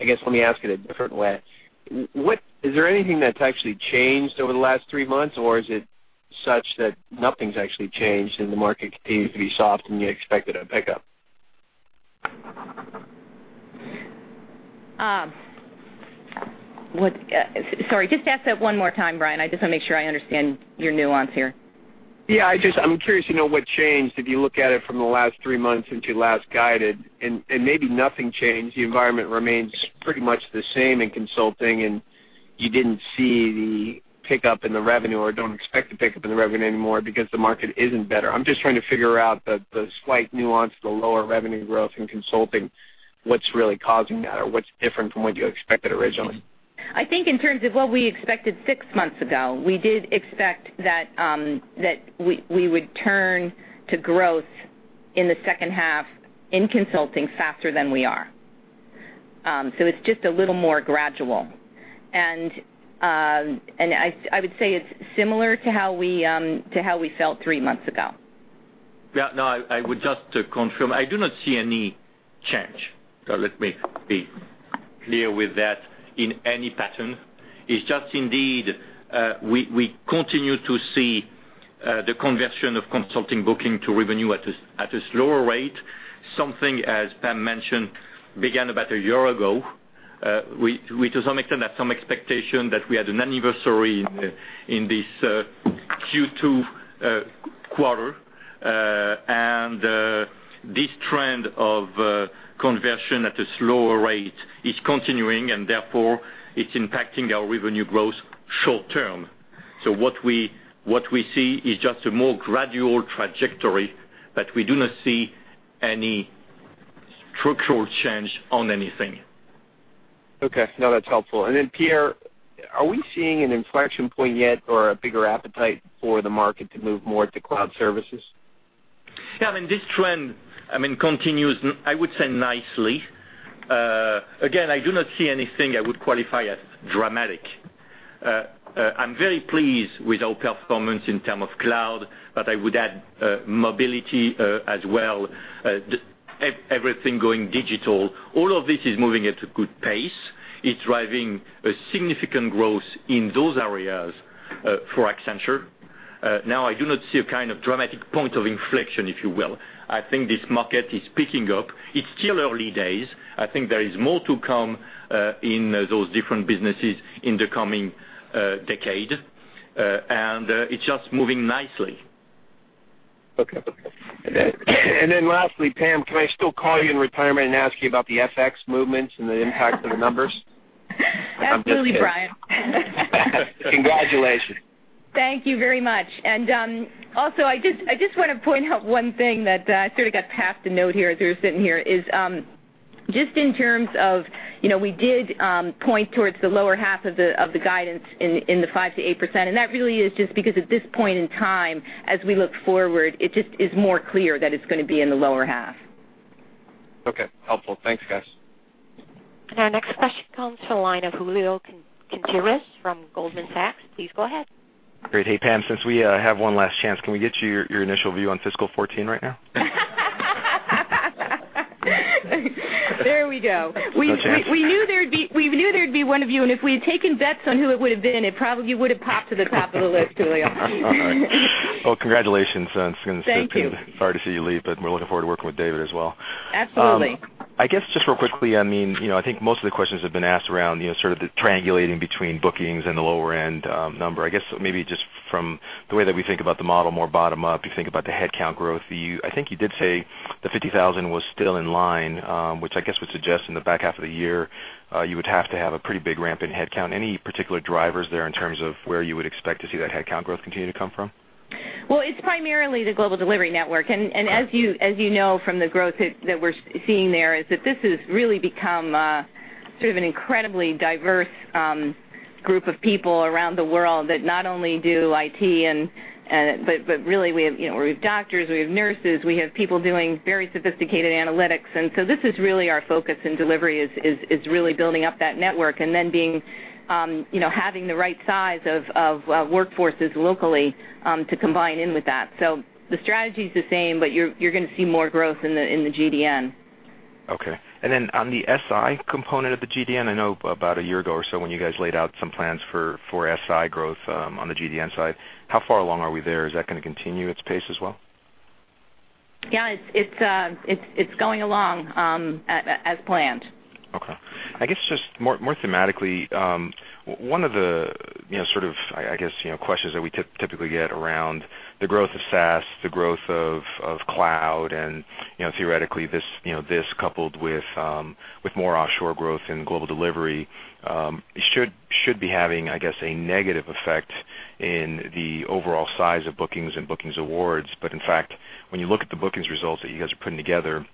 Let me ask it a different way. Is there anything that's actually changed over the last three months, or is it such that nothing's actually changed and the market continues to be soft, and you expected a pickup? Sorry, just ask that one more time, Bryan. I just want to make sure I understand your nuance here. Yeah, I'm curious to know what changed if you look at it from the last three months until last guided. Maybe nothing changed, the environment remains pretty much the same in consulting. You didn't see the pickup in the revenue or don't expect the pickup in the revenue anymore because the market isn't better. I'm just trying to figure out the slight nuance, the lower revenue growth in consulting, what's really causing that or what's different from what you expected originally. I think in terms of what we expected six months ago, we did expect that we would turn to growth in the second half in consulting faster than we are. It's just a little more gradual, and I would say it's similar to how we felt three months ago. Yeah, no, I would just confirm. I do not see any change, so let me be clear with that, in any pattern. It's just indeed, we continue to see the conversion of consulting booking to revenue at a slower rate, something as Pam mentioned, began about a year ago. We, to some extent, had some expectation that we had an anniversary in this Q2 quarter. This trend of conversion at a slower rate is continuing, and therefore it's impacting our revenue growth short term. What we see is just a more gradual trajectory, but we do not see any structural change on anything. Okay. No, that's helpful. Then, Pierre, are we seeing an inflection point yet or a bigger appetite for the market to move more to cloud services? Yeah, this trend continues, I would say nicely. Again, I do not see anything I would qualify as dramatic. I'm very pleased with our performance in term of cloud, but I would add mobility as well, everything going digital. All of this is moving at a good pace. It's driving a significant growth in those areas for Accenture. Now, I do not see a kind of dramatic point of inflection, if you will. I think this market is picking up. It's still early days. I think there is more to come in those different businesses in the coming decade. It's just moving nicely. Okay. Then lastly, Pam, can I still call you in retirement and ask you about the FX movements and the impact of the numbers? Absolutely, Bryan. Congratulations. Thank you very much. Also, I just want to point out one thing that I sort of got passed a note here as we were sitting here is, just in terms of we did point towards the lower half of the guidance in the 5%-8%, and that really is just because at this point in time, as we look forward, it just is more clear that it's going to be in the lower half. Okay. Helpful. Thanks, guys. Our next question comes to the line of Julio Quinteros from Goldman Sachs. Please go ahead. Great. Hey, Pam, since we have one last chance, can we get your initial view on fiscal 2014 right now? There we go. No chance? We knew there'd be one of you, and if we had taken bets on who it would've been, it probably would've popped to the top of the list, Julio. All right. Well, congratulations- Thank you. since it's going to be hard to see you leave, but we're looking forward to working with David as well. Absolutely. I guess just real quickly, I think most of the questions have been asked around sort of the triangulating between bookings and the lower-end number. I guess maybe just from the way that we think about the model more bottom-up, you think about the headcount growth. I think you did say the 50,000 was still in line, which I guess would suggest in the back half of the year, you would have to have a pretty big ramp in headcount. Any particular drivers there in terms of where you would expect to see that headcount growth continue to come from? Well, it's primarily the Global Delivery Network- Okay As you know from the growth that we're seeing there, is that this has really become sort of an incredibly diverse group of people around the world that not only do IT, but really we have doctors, we have nurses, we have people doing very sophisticated analytics. This is really our focus, and delivery is really building up that network and then having the right size of workforces locally to combine in with that. The strategy's the same, but you're going to see more growth in the GDN. Okay. On the SI component of the GDN, I know about a year ago or so when you guys laid out some plans for SI growth on the GDN side, how far along are we there? Is that going to continue its pace as well? Yeah, it's going along as planned. Okay. I guess just more thematically, one of the questions that we typically get around the growth of SaaS, the growth of cloud and theoretically, this coupled with more offshore growth in global delivery should be having, I guess, a negative effect in the overall size of bookings and bookings awards. In fact, when you look at the bookings results that you guys are putting together,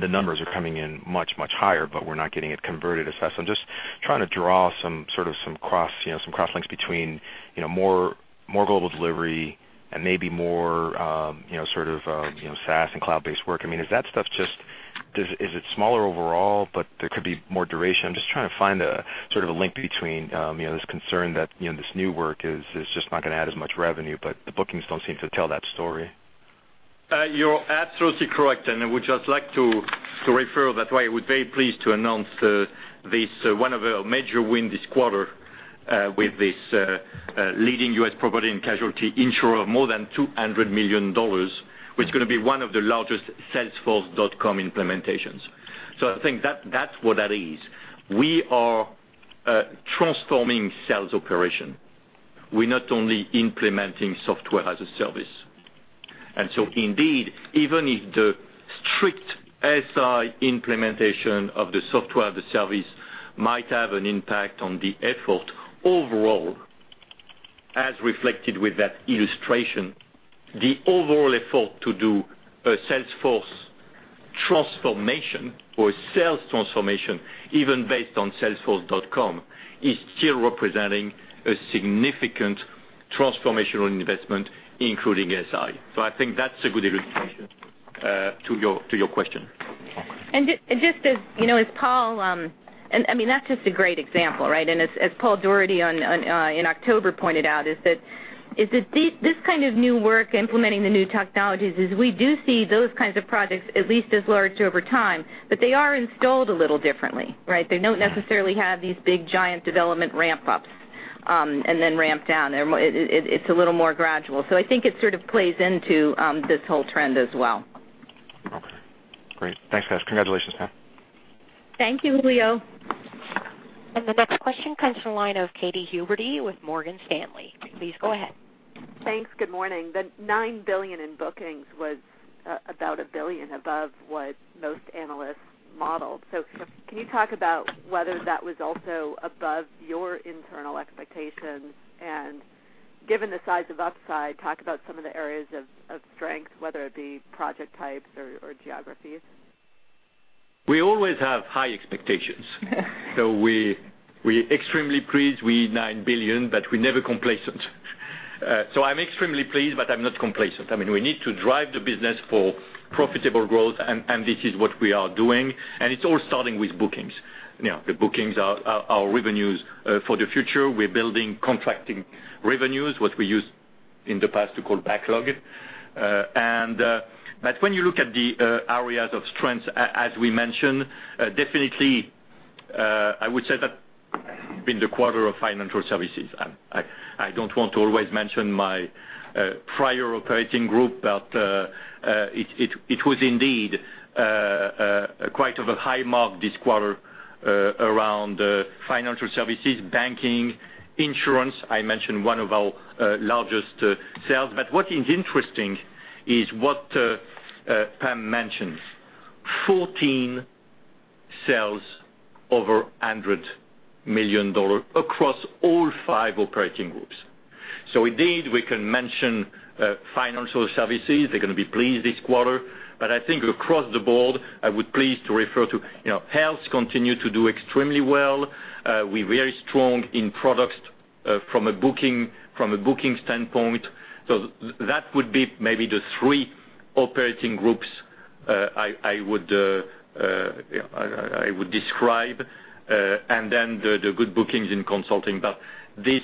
the numbers are coming in much, much higher, but we're not getting it converted as fast. I'm just trying to draw some cross-links between more global delivery and maybe more SaaS and cloud-based work. Is that stuff just, is it smaller overall, but there could be more duration? I'm just trying to find a link between this concern that this new work is just not going to add as much revenue, but the bookings don't seem to tell that story. You're absolutely correct. I would just like to refer. That's why we're very pleased to announce one of our major wins this quarter with this leading U.S. property and casualty insurer of more than $200 million, which is going to be one of the largest Salesforce.com implementations. I think that's what that is. We are transforming sales operation. We're not only implementing software-as-a-service. Indeed, even if the strict SI implementation of the software, the service might have an impact on the effort overall, as reflected with that illustration, the overall effort to do a Salesforce transformation or a sales transformation, even based on Salesforce.com, is still representing a significant transformational investment, including SI. I think that's a good illustration to your question. That's just a great example, right? As Paul Daugherty in October pointed out, is that this kind of new work implementing the new technologies, is we do see those kinds of projects at least as large over time, but they are installed a little differently, right? They don't necessarily have these big, giant development ramp-ups, and then ramp down. It's a little more gradual. I think it sort of plays into this whole trend as well. Okay, great. Thanks, guys. Congratulations, Pam. Thank you, Julio. The next question comes from the line of Katy Huberty with Morgan Stanley. Please go ahead. Thanks. Good morning. The $9 billion in bookings was about $1 billion above what most analysts modeled. Can you talk about whether that was also above your internal expectations? Given the size of upside, talk about some of the areas of strength, whether it be project types or geographies. We always have high expectations. We extremely pleased with $9 billion, but we're never complacent. I'm extremely pleased, but I'm not complacent. We need to drive the business for profitable growth, and this is what we are doing, and it's all starting with bookings. The bookings are our revenues for the future. We're building contracting revenues, what we used in the past to call backlog. When you look at the areas of strength, as we mentioned, definitely, I would say that been the quarter of financial services. I don't want to always mention my prior operating group, but it was indeed quite of a high mark this quarter around financial services, banking, insurance. I mentioned one of our largest sales. What is interesting is what Pam mentioned. 14 sales over $100 million across all five operating groups. Indeed, we can mention financial services. They're going to be pleased this quarter. I think across the board, I would pleased to refer to health continue to do extremely well. We're very strong in products from a booking standpoint. That would be maybe the three operating groups I would describe, and then the good bookings in consulting. These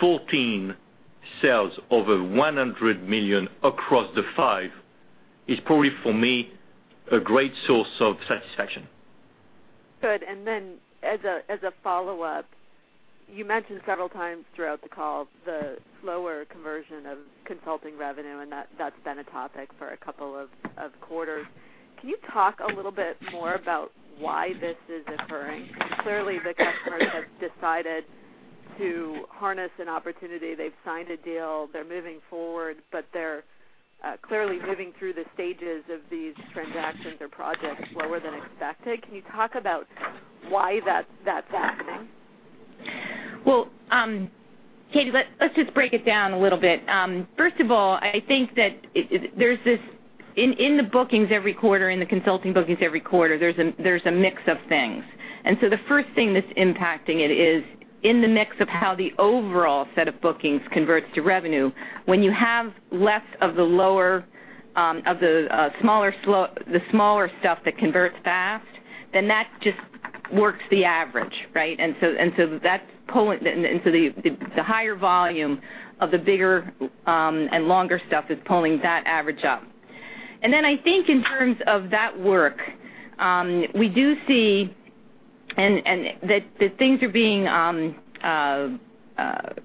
14 sales over $100 million across the five is probably, for me, a great source of satisfaction. Good. Then as a follow-up, you mentioned several times throughout the call the slower conversion of consulting revenue, that's been a topic for a couple of quarters. Can you talk a little bit more about why this is occurring? Clearly, the customer has decided to harness an opportunity. They've signed a deal. They're moving forward, but they're clearly moving through the stages of these transactions or projects slower than expected. Can you talk about why that's happening? Well, Katy, let's just break it down a little bit. First of all, I think that in the bookings every quarter, in the consulting bookings every quarter, there's a mix of things. The first thing that's impacting it is in the mix of how the overall set of bookings converts to revenue. When you have less of the smaller stuff that converts fast, then that Works the average, right? The higher volume of the bigger and longer stuff is pulling that average up. Then I think in terms of that work, we do see that things are being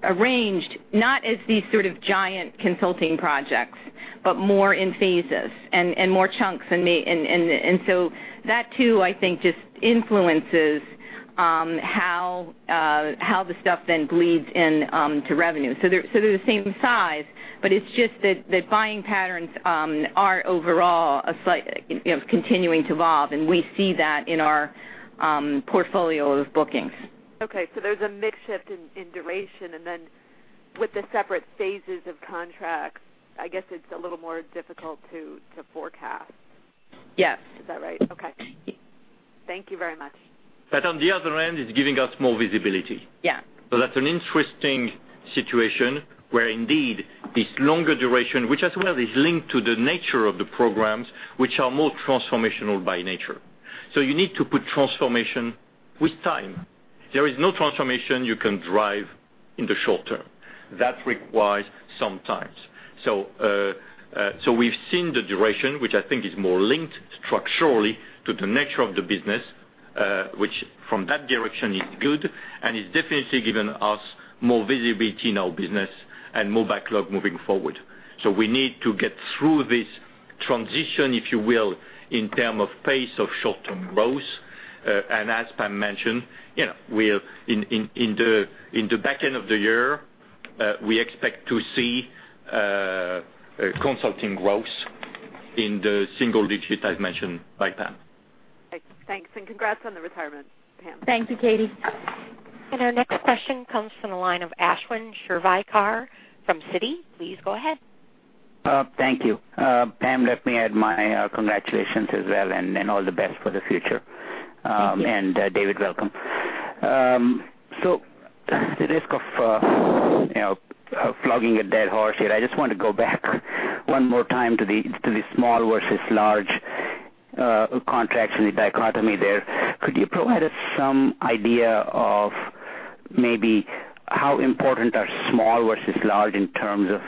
arranged not as these sort of giant consulting projects, but more in phases and more chunks. That too, I think, just influences how the stuff then bleeds into revenue. They're the same size, but it's just that buying patterns are overall continuing to evolve, and we see that in our portfolio of bookings. Okay. There's a mix shift in duration, and then with the separate phases of contracts, I guess it's a little more difficult to forecast. Yes. Is that right? Okay. Thank you very much. On the other end, it's giving us more visibility. Yeah. That's an interesting situation where indeed this longer duration, which as well is linked to the nature of the programs, which are more transformational by nature. You need to put transformation with time. There is no transformation you can drive in the short term. That requires some time. We've seen the duration, which I think is more linked structurally to the nature of the business, which from that direction is good and has definitely given us more visibility in our business and more backlog moving forward. We need to get through this transition, if you will, in term of pace, of short-term growth. As Pam mentioned, in the back end of the year, we expect to see consulting growth in the single digits, as mentioned by Pam. Thanks, congrats on the retirement, Pam. Thank you, Katy. Our next question comes from the line of Ashwin Shirvaikar from Citi. Please go ahead. Thank you. Pam, let me add my congratulations as well, all the best for the future. Thank you. David, welcome. At the risk of flogging a dead horse here, I just want to go back one more time to the small versus large contracts and the dichotomy there. Could you provide us some idea of maybe how important are small versus large in terms of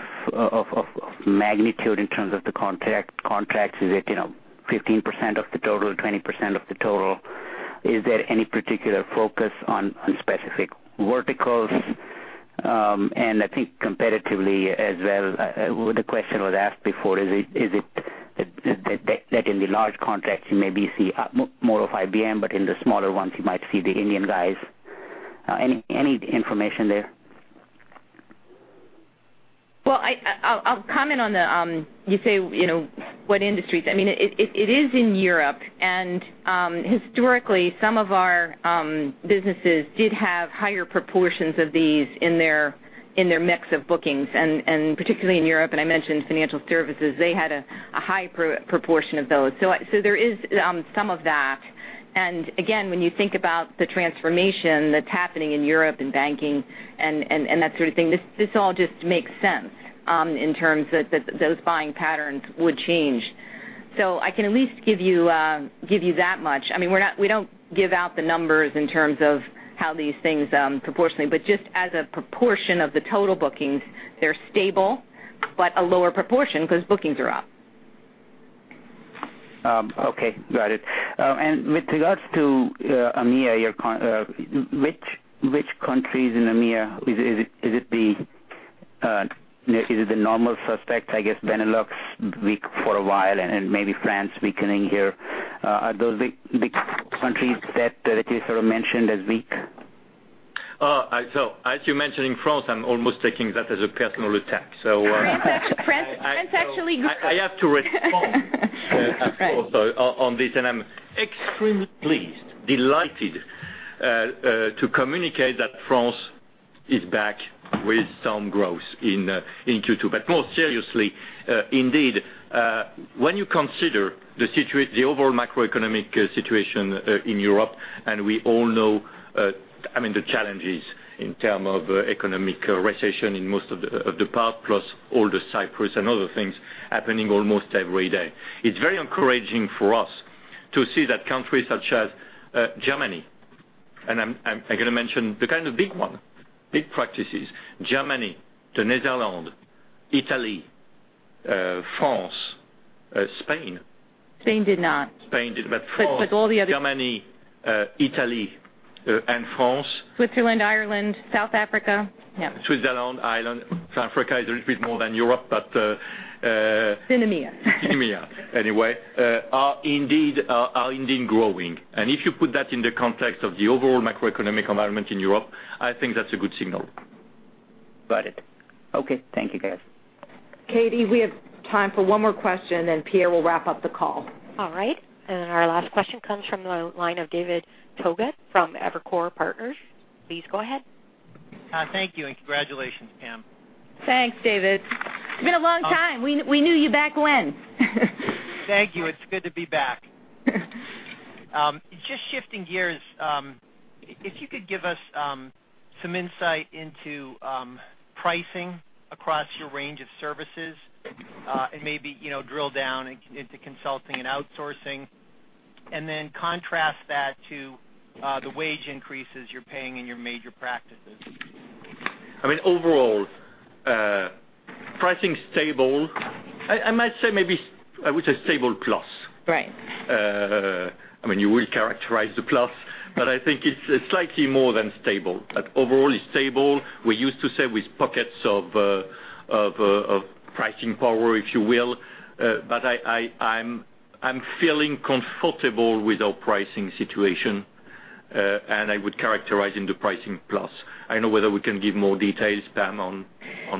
magnitude, in terms of the contracts? Is it 15% of the total, 20% of the total? Is there any particular focus on specific verticals? I think competitively as well, the question was asked before, is it that in the large contracts you maybe see more of IBM, but in the smaller ones, you might see the Indian guys? Any information there? I'll comment on the-- you say what industries. It is in Europe. Historically, some of our businesses did have higher proportions of these in their mix of bookings, particularly in Europe. I mentioned financial services, they had a high proportion of those. There is some of that. Again, when you think about the transformation that's happening in Europe in banking and that sort of thing, this all just makes sense in terms that those buying patterns would change. I can at least give you that much. We don't give out the numbers in terms of how these things proportionately, but just as a proportion of the total bookings, they're stable, but a lower proportion because bookings are up. Okay, got it. With regards to EMEA, which countries in EMEA, is it the normal suspects, I guess Benelux, weak for a while, and maybe France weakening here. Are those the countries that are mentioned as weak? As you're mentioning France, I'm almost taking that as a personal attack. France actually grew. I have to respond. Right of course, on this, I'm extremely pleased, delighted to communicate that France is back with some growth in Q2. More seriously, indeed, when you consider the overall macroeconomic situation in Europe, we all know the challenges in term of economic recession in most of the part, plus all the Cyprus and other things happening almost every day. It's very encouraging for us to see that countries such as Germany, and I'm going to mention the kind of big one, big practices, Germany, the Netherlands, Italy, France, Spain. Spain did not. Spain did, France- All the other- Germany, Italy, and France. Switzerland, Ireland, South Africa. Yep. Switzerland, Ireland, South Africa is a little bit more than Europe. It's in EMEA. EMEA, anyway, are indeed growing. If you put that in the context of the overall macroeconomic environment in Europe, I think that's a good signal. Got it. Okay. Thank you, guys. Katy, we have time for one more question, Pierre will wrap up the call. All right. Our last question comes from the line of David Togut from Evercore Partners. Please go ahead. Thank you, and congratulations, Pam. Thanks, David. It's been a long time. We knew you back when. Thank you. It's good to be back. Just shifting gears if you could give us some insight into pricing across your range of services, and maybe drill down into consulting and outsourcing, and then contrast that to the wage increases you're paying in your major practices. Overall, pricing's stable. I might say maybe, I would say stable plus. Right. You will characterize the plus, I think it's slightly more than stable, overall it's stable. We used to say with pockets of pricing power, if you will. I'm feeling comfortable with our pricing situation. I would characterize into pricing plus. I don't know whether we can give more details, Pam, on-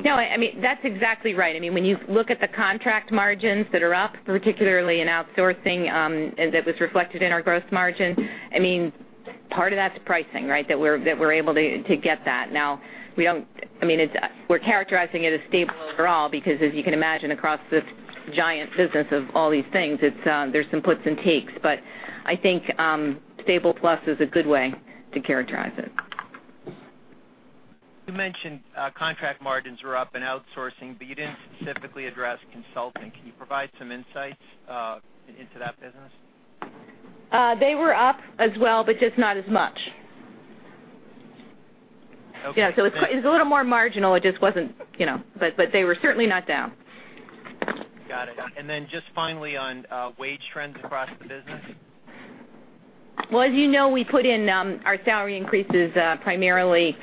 No, that's exactly right. When you look at the contract margins that are up, particularly in outsourcing, and that was reflected in our gross margin, part of that's pricing that we're able to get that. Now, we're characterizing it as stable overall, because as you can imagine across the giant business of all these things, there's some puts and takes. I think stable plus is a good way to characterize it. You mentioned contract margins were up in outsourcing, you didn't specifically address consulting. Can you provide some insights into that business? They were up as well, just not as much. Okay. It's a little more marginal. They were certainly not down. Got it. Just finally on wage trends across the business. Well, as you know, we put in our salary increases, primarily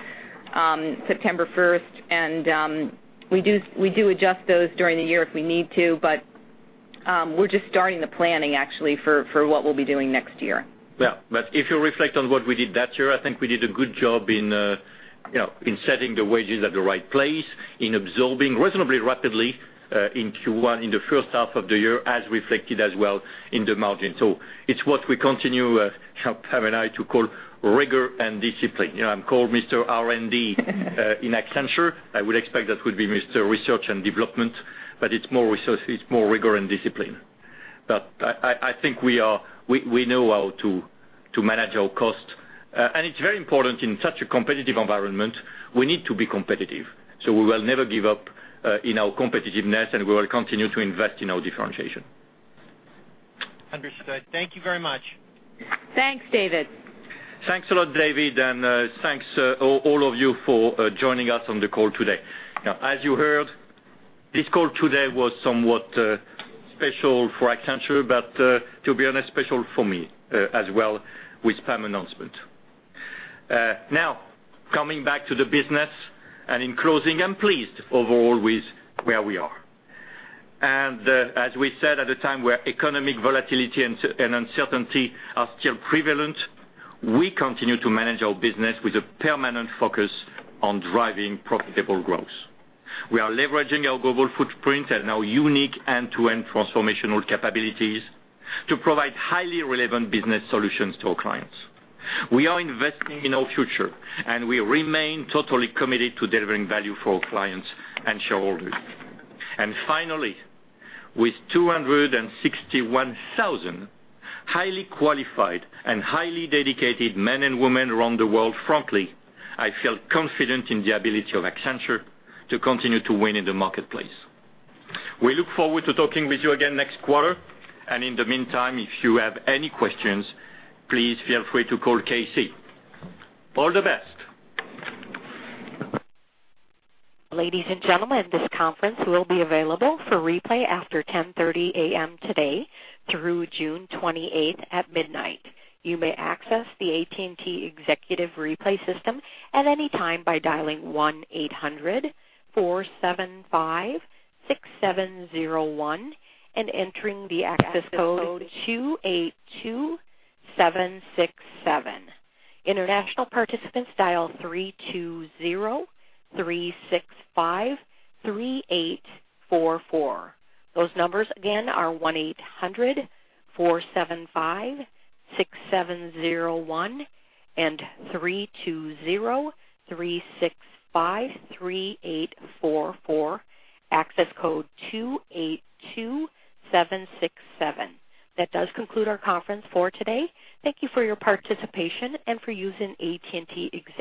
September 1st, we do adjust those during the year if we need to. We're just starting the planning actually for what we'll be doing next year. If you reflect on what we did that year, I think we did a good job in setting the wages at the right place, in absorbing reasonably rapidly, in Q1, in the first half of the year, as reflected as well in the margin. It's what we continue, Pam and I, to call rigor and discipline. I'm called Mr. R&D in Accenture. I would expect that would be Mr. Research and Development, it's more rigor and discipline. I think we know how to manage our cost. It's very important in such a competitive environment, we need to be competitive. We will never give up in our competitiveness, we will continue to invest in our differentiation. Understood. Thank you very much. Thanks, David. Thanks a lot, David. Thanks all of you for joining us on the call today. As you heard, this call today was somewhat special for Accenture, but to be honest, special for me as well with Pam announcement. Coming back to the business, in closing, I'm pleased overall with where we are. As we said at the time, where economic volatility and uncertainty are still prevalent, we continue to manage our business with a permanent focus on driving profitable growth. We are leveraging our global footprint and our unique end-to-end transformational capabilities to provide highly relevant business solutions to our clients. We are investing in our future. We remain totally committed to delivering value for our clients and shareholders. Finally, with 261,000 highly qualified and highly dedicated men and women around the world, frankly, I feel confident in the ability of Accenture to continue to win in the marketplace. We look forward to talking with you again next quarter. In the meantime, if you have any questions, please feel free to call KC. All the best. Ladies and gentlemen, this conference will be available for replay after 10:30 A.M. today through June 28th at midnight. You may access the AT&T Executive Replay System at any time by dialing 1-800-475-6701 and entering the access code 282767. International participants dial 3203653844. Those numbers again are 1-800-475-6701 and 3203653844, access code 282767. That does conclude our conference for today. Thank you for your participation and for using AT&T Executive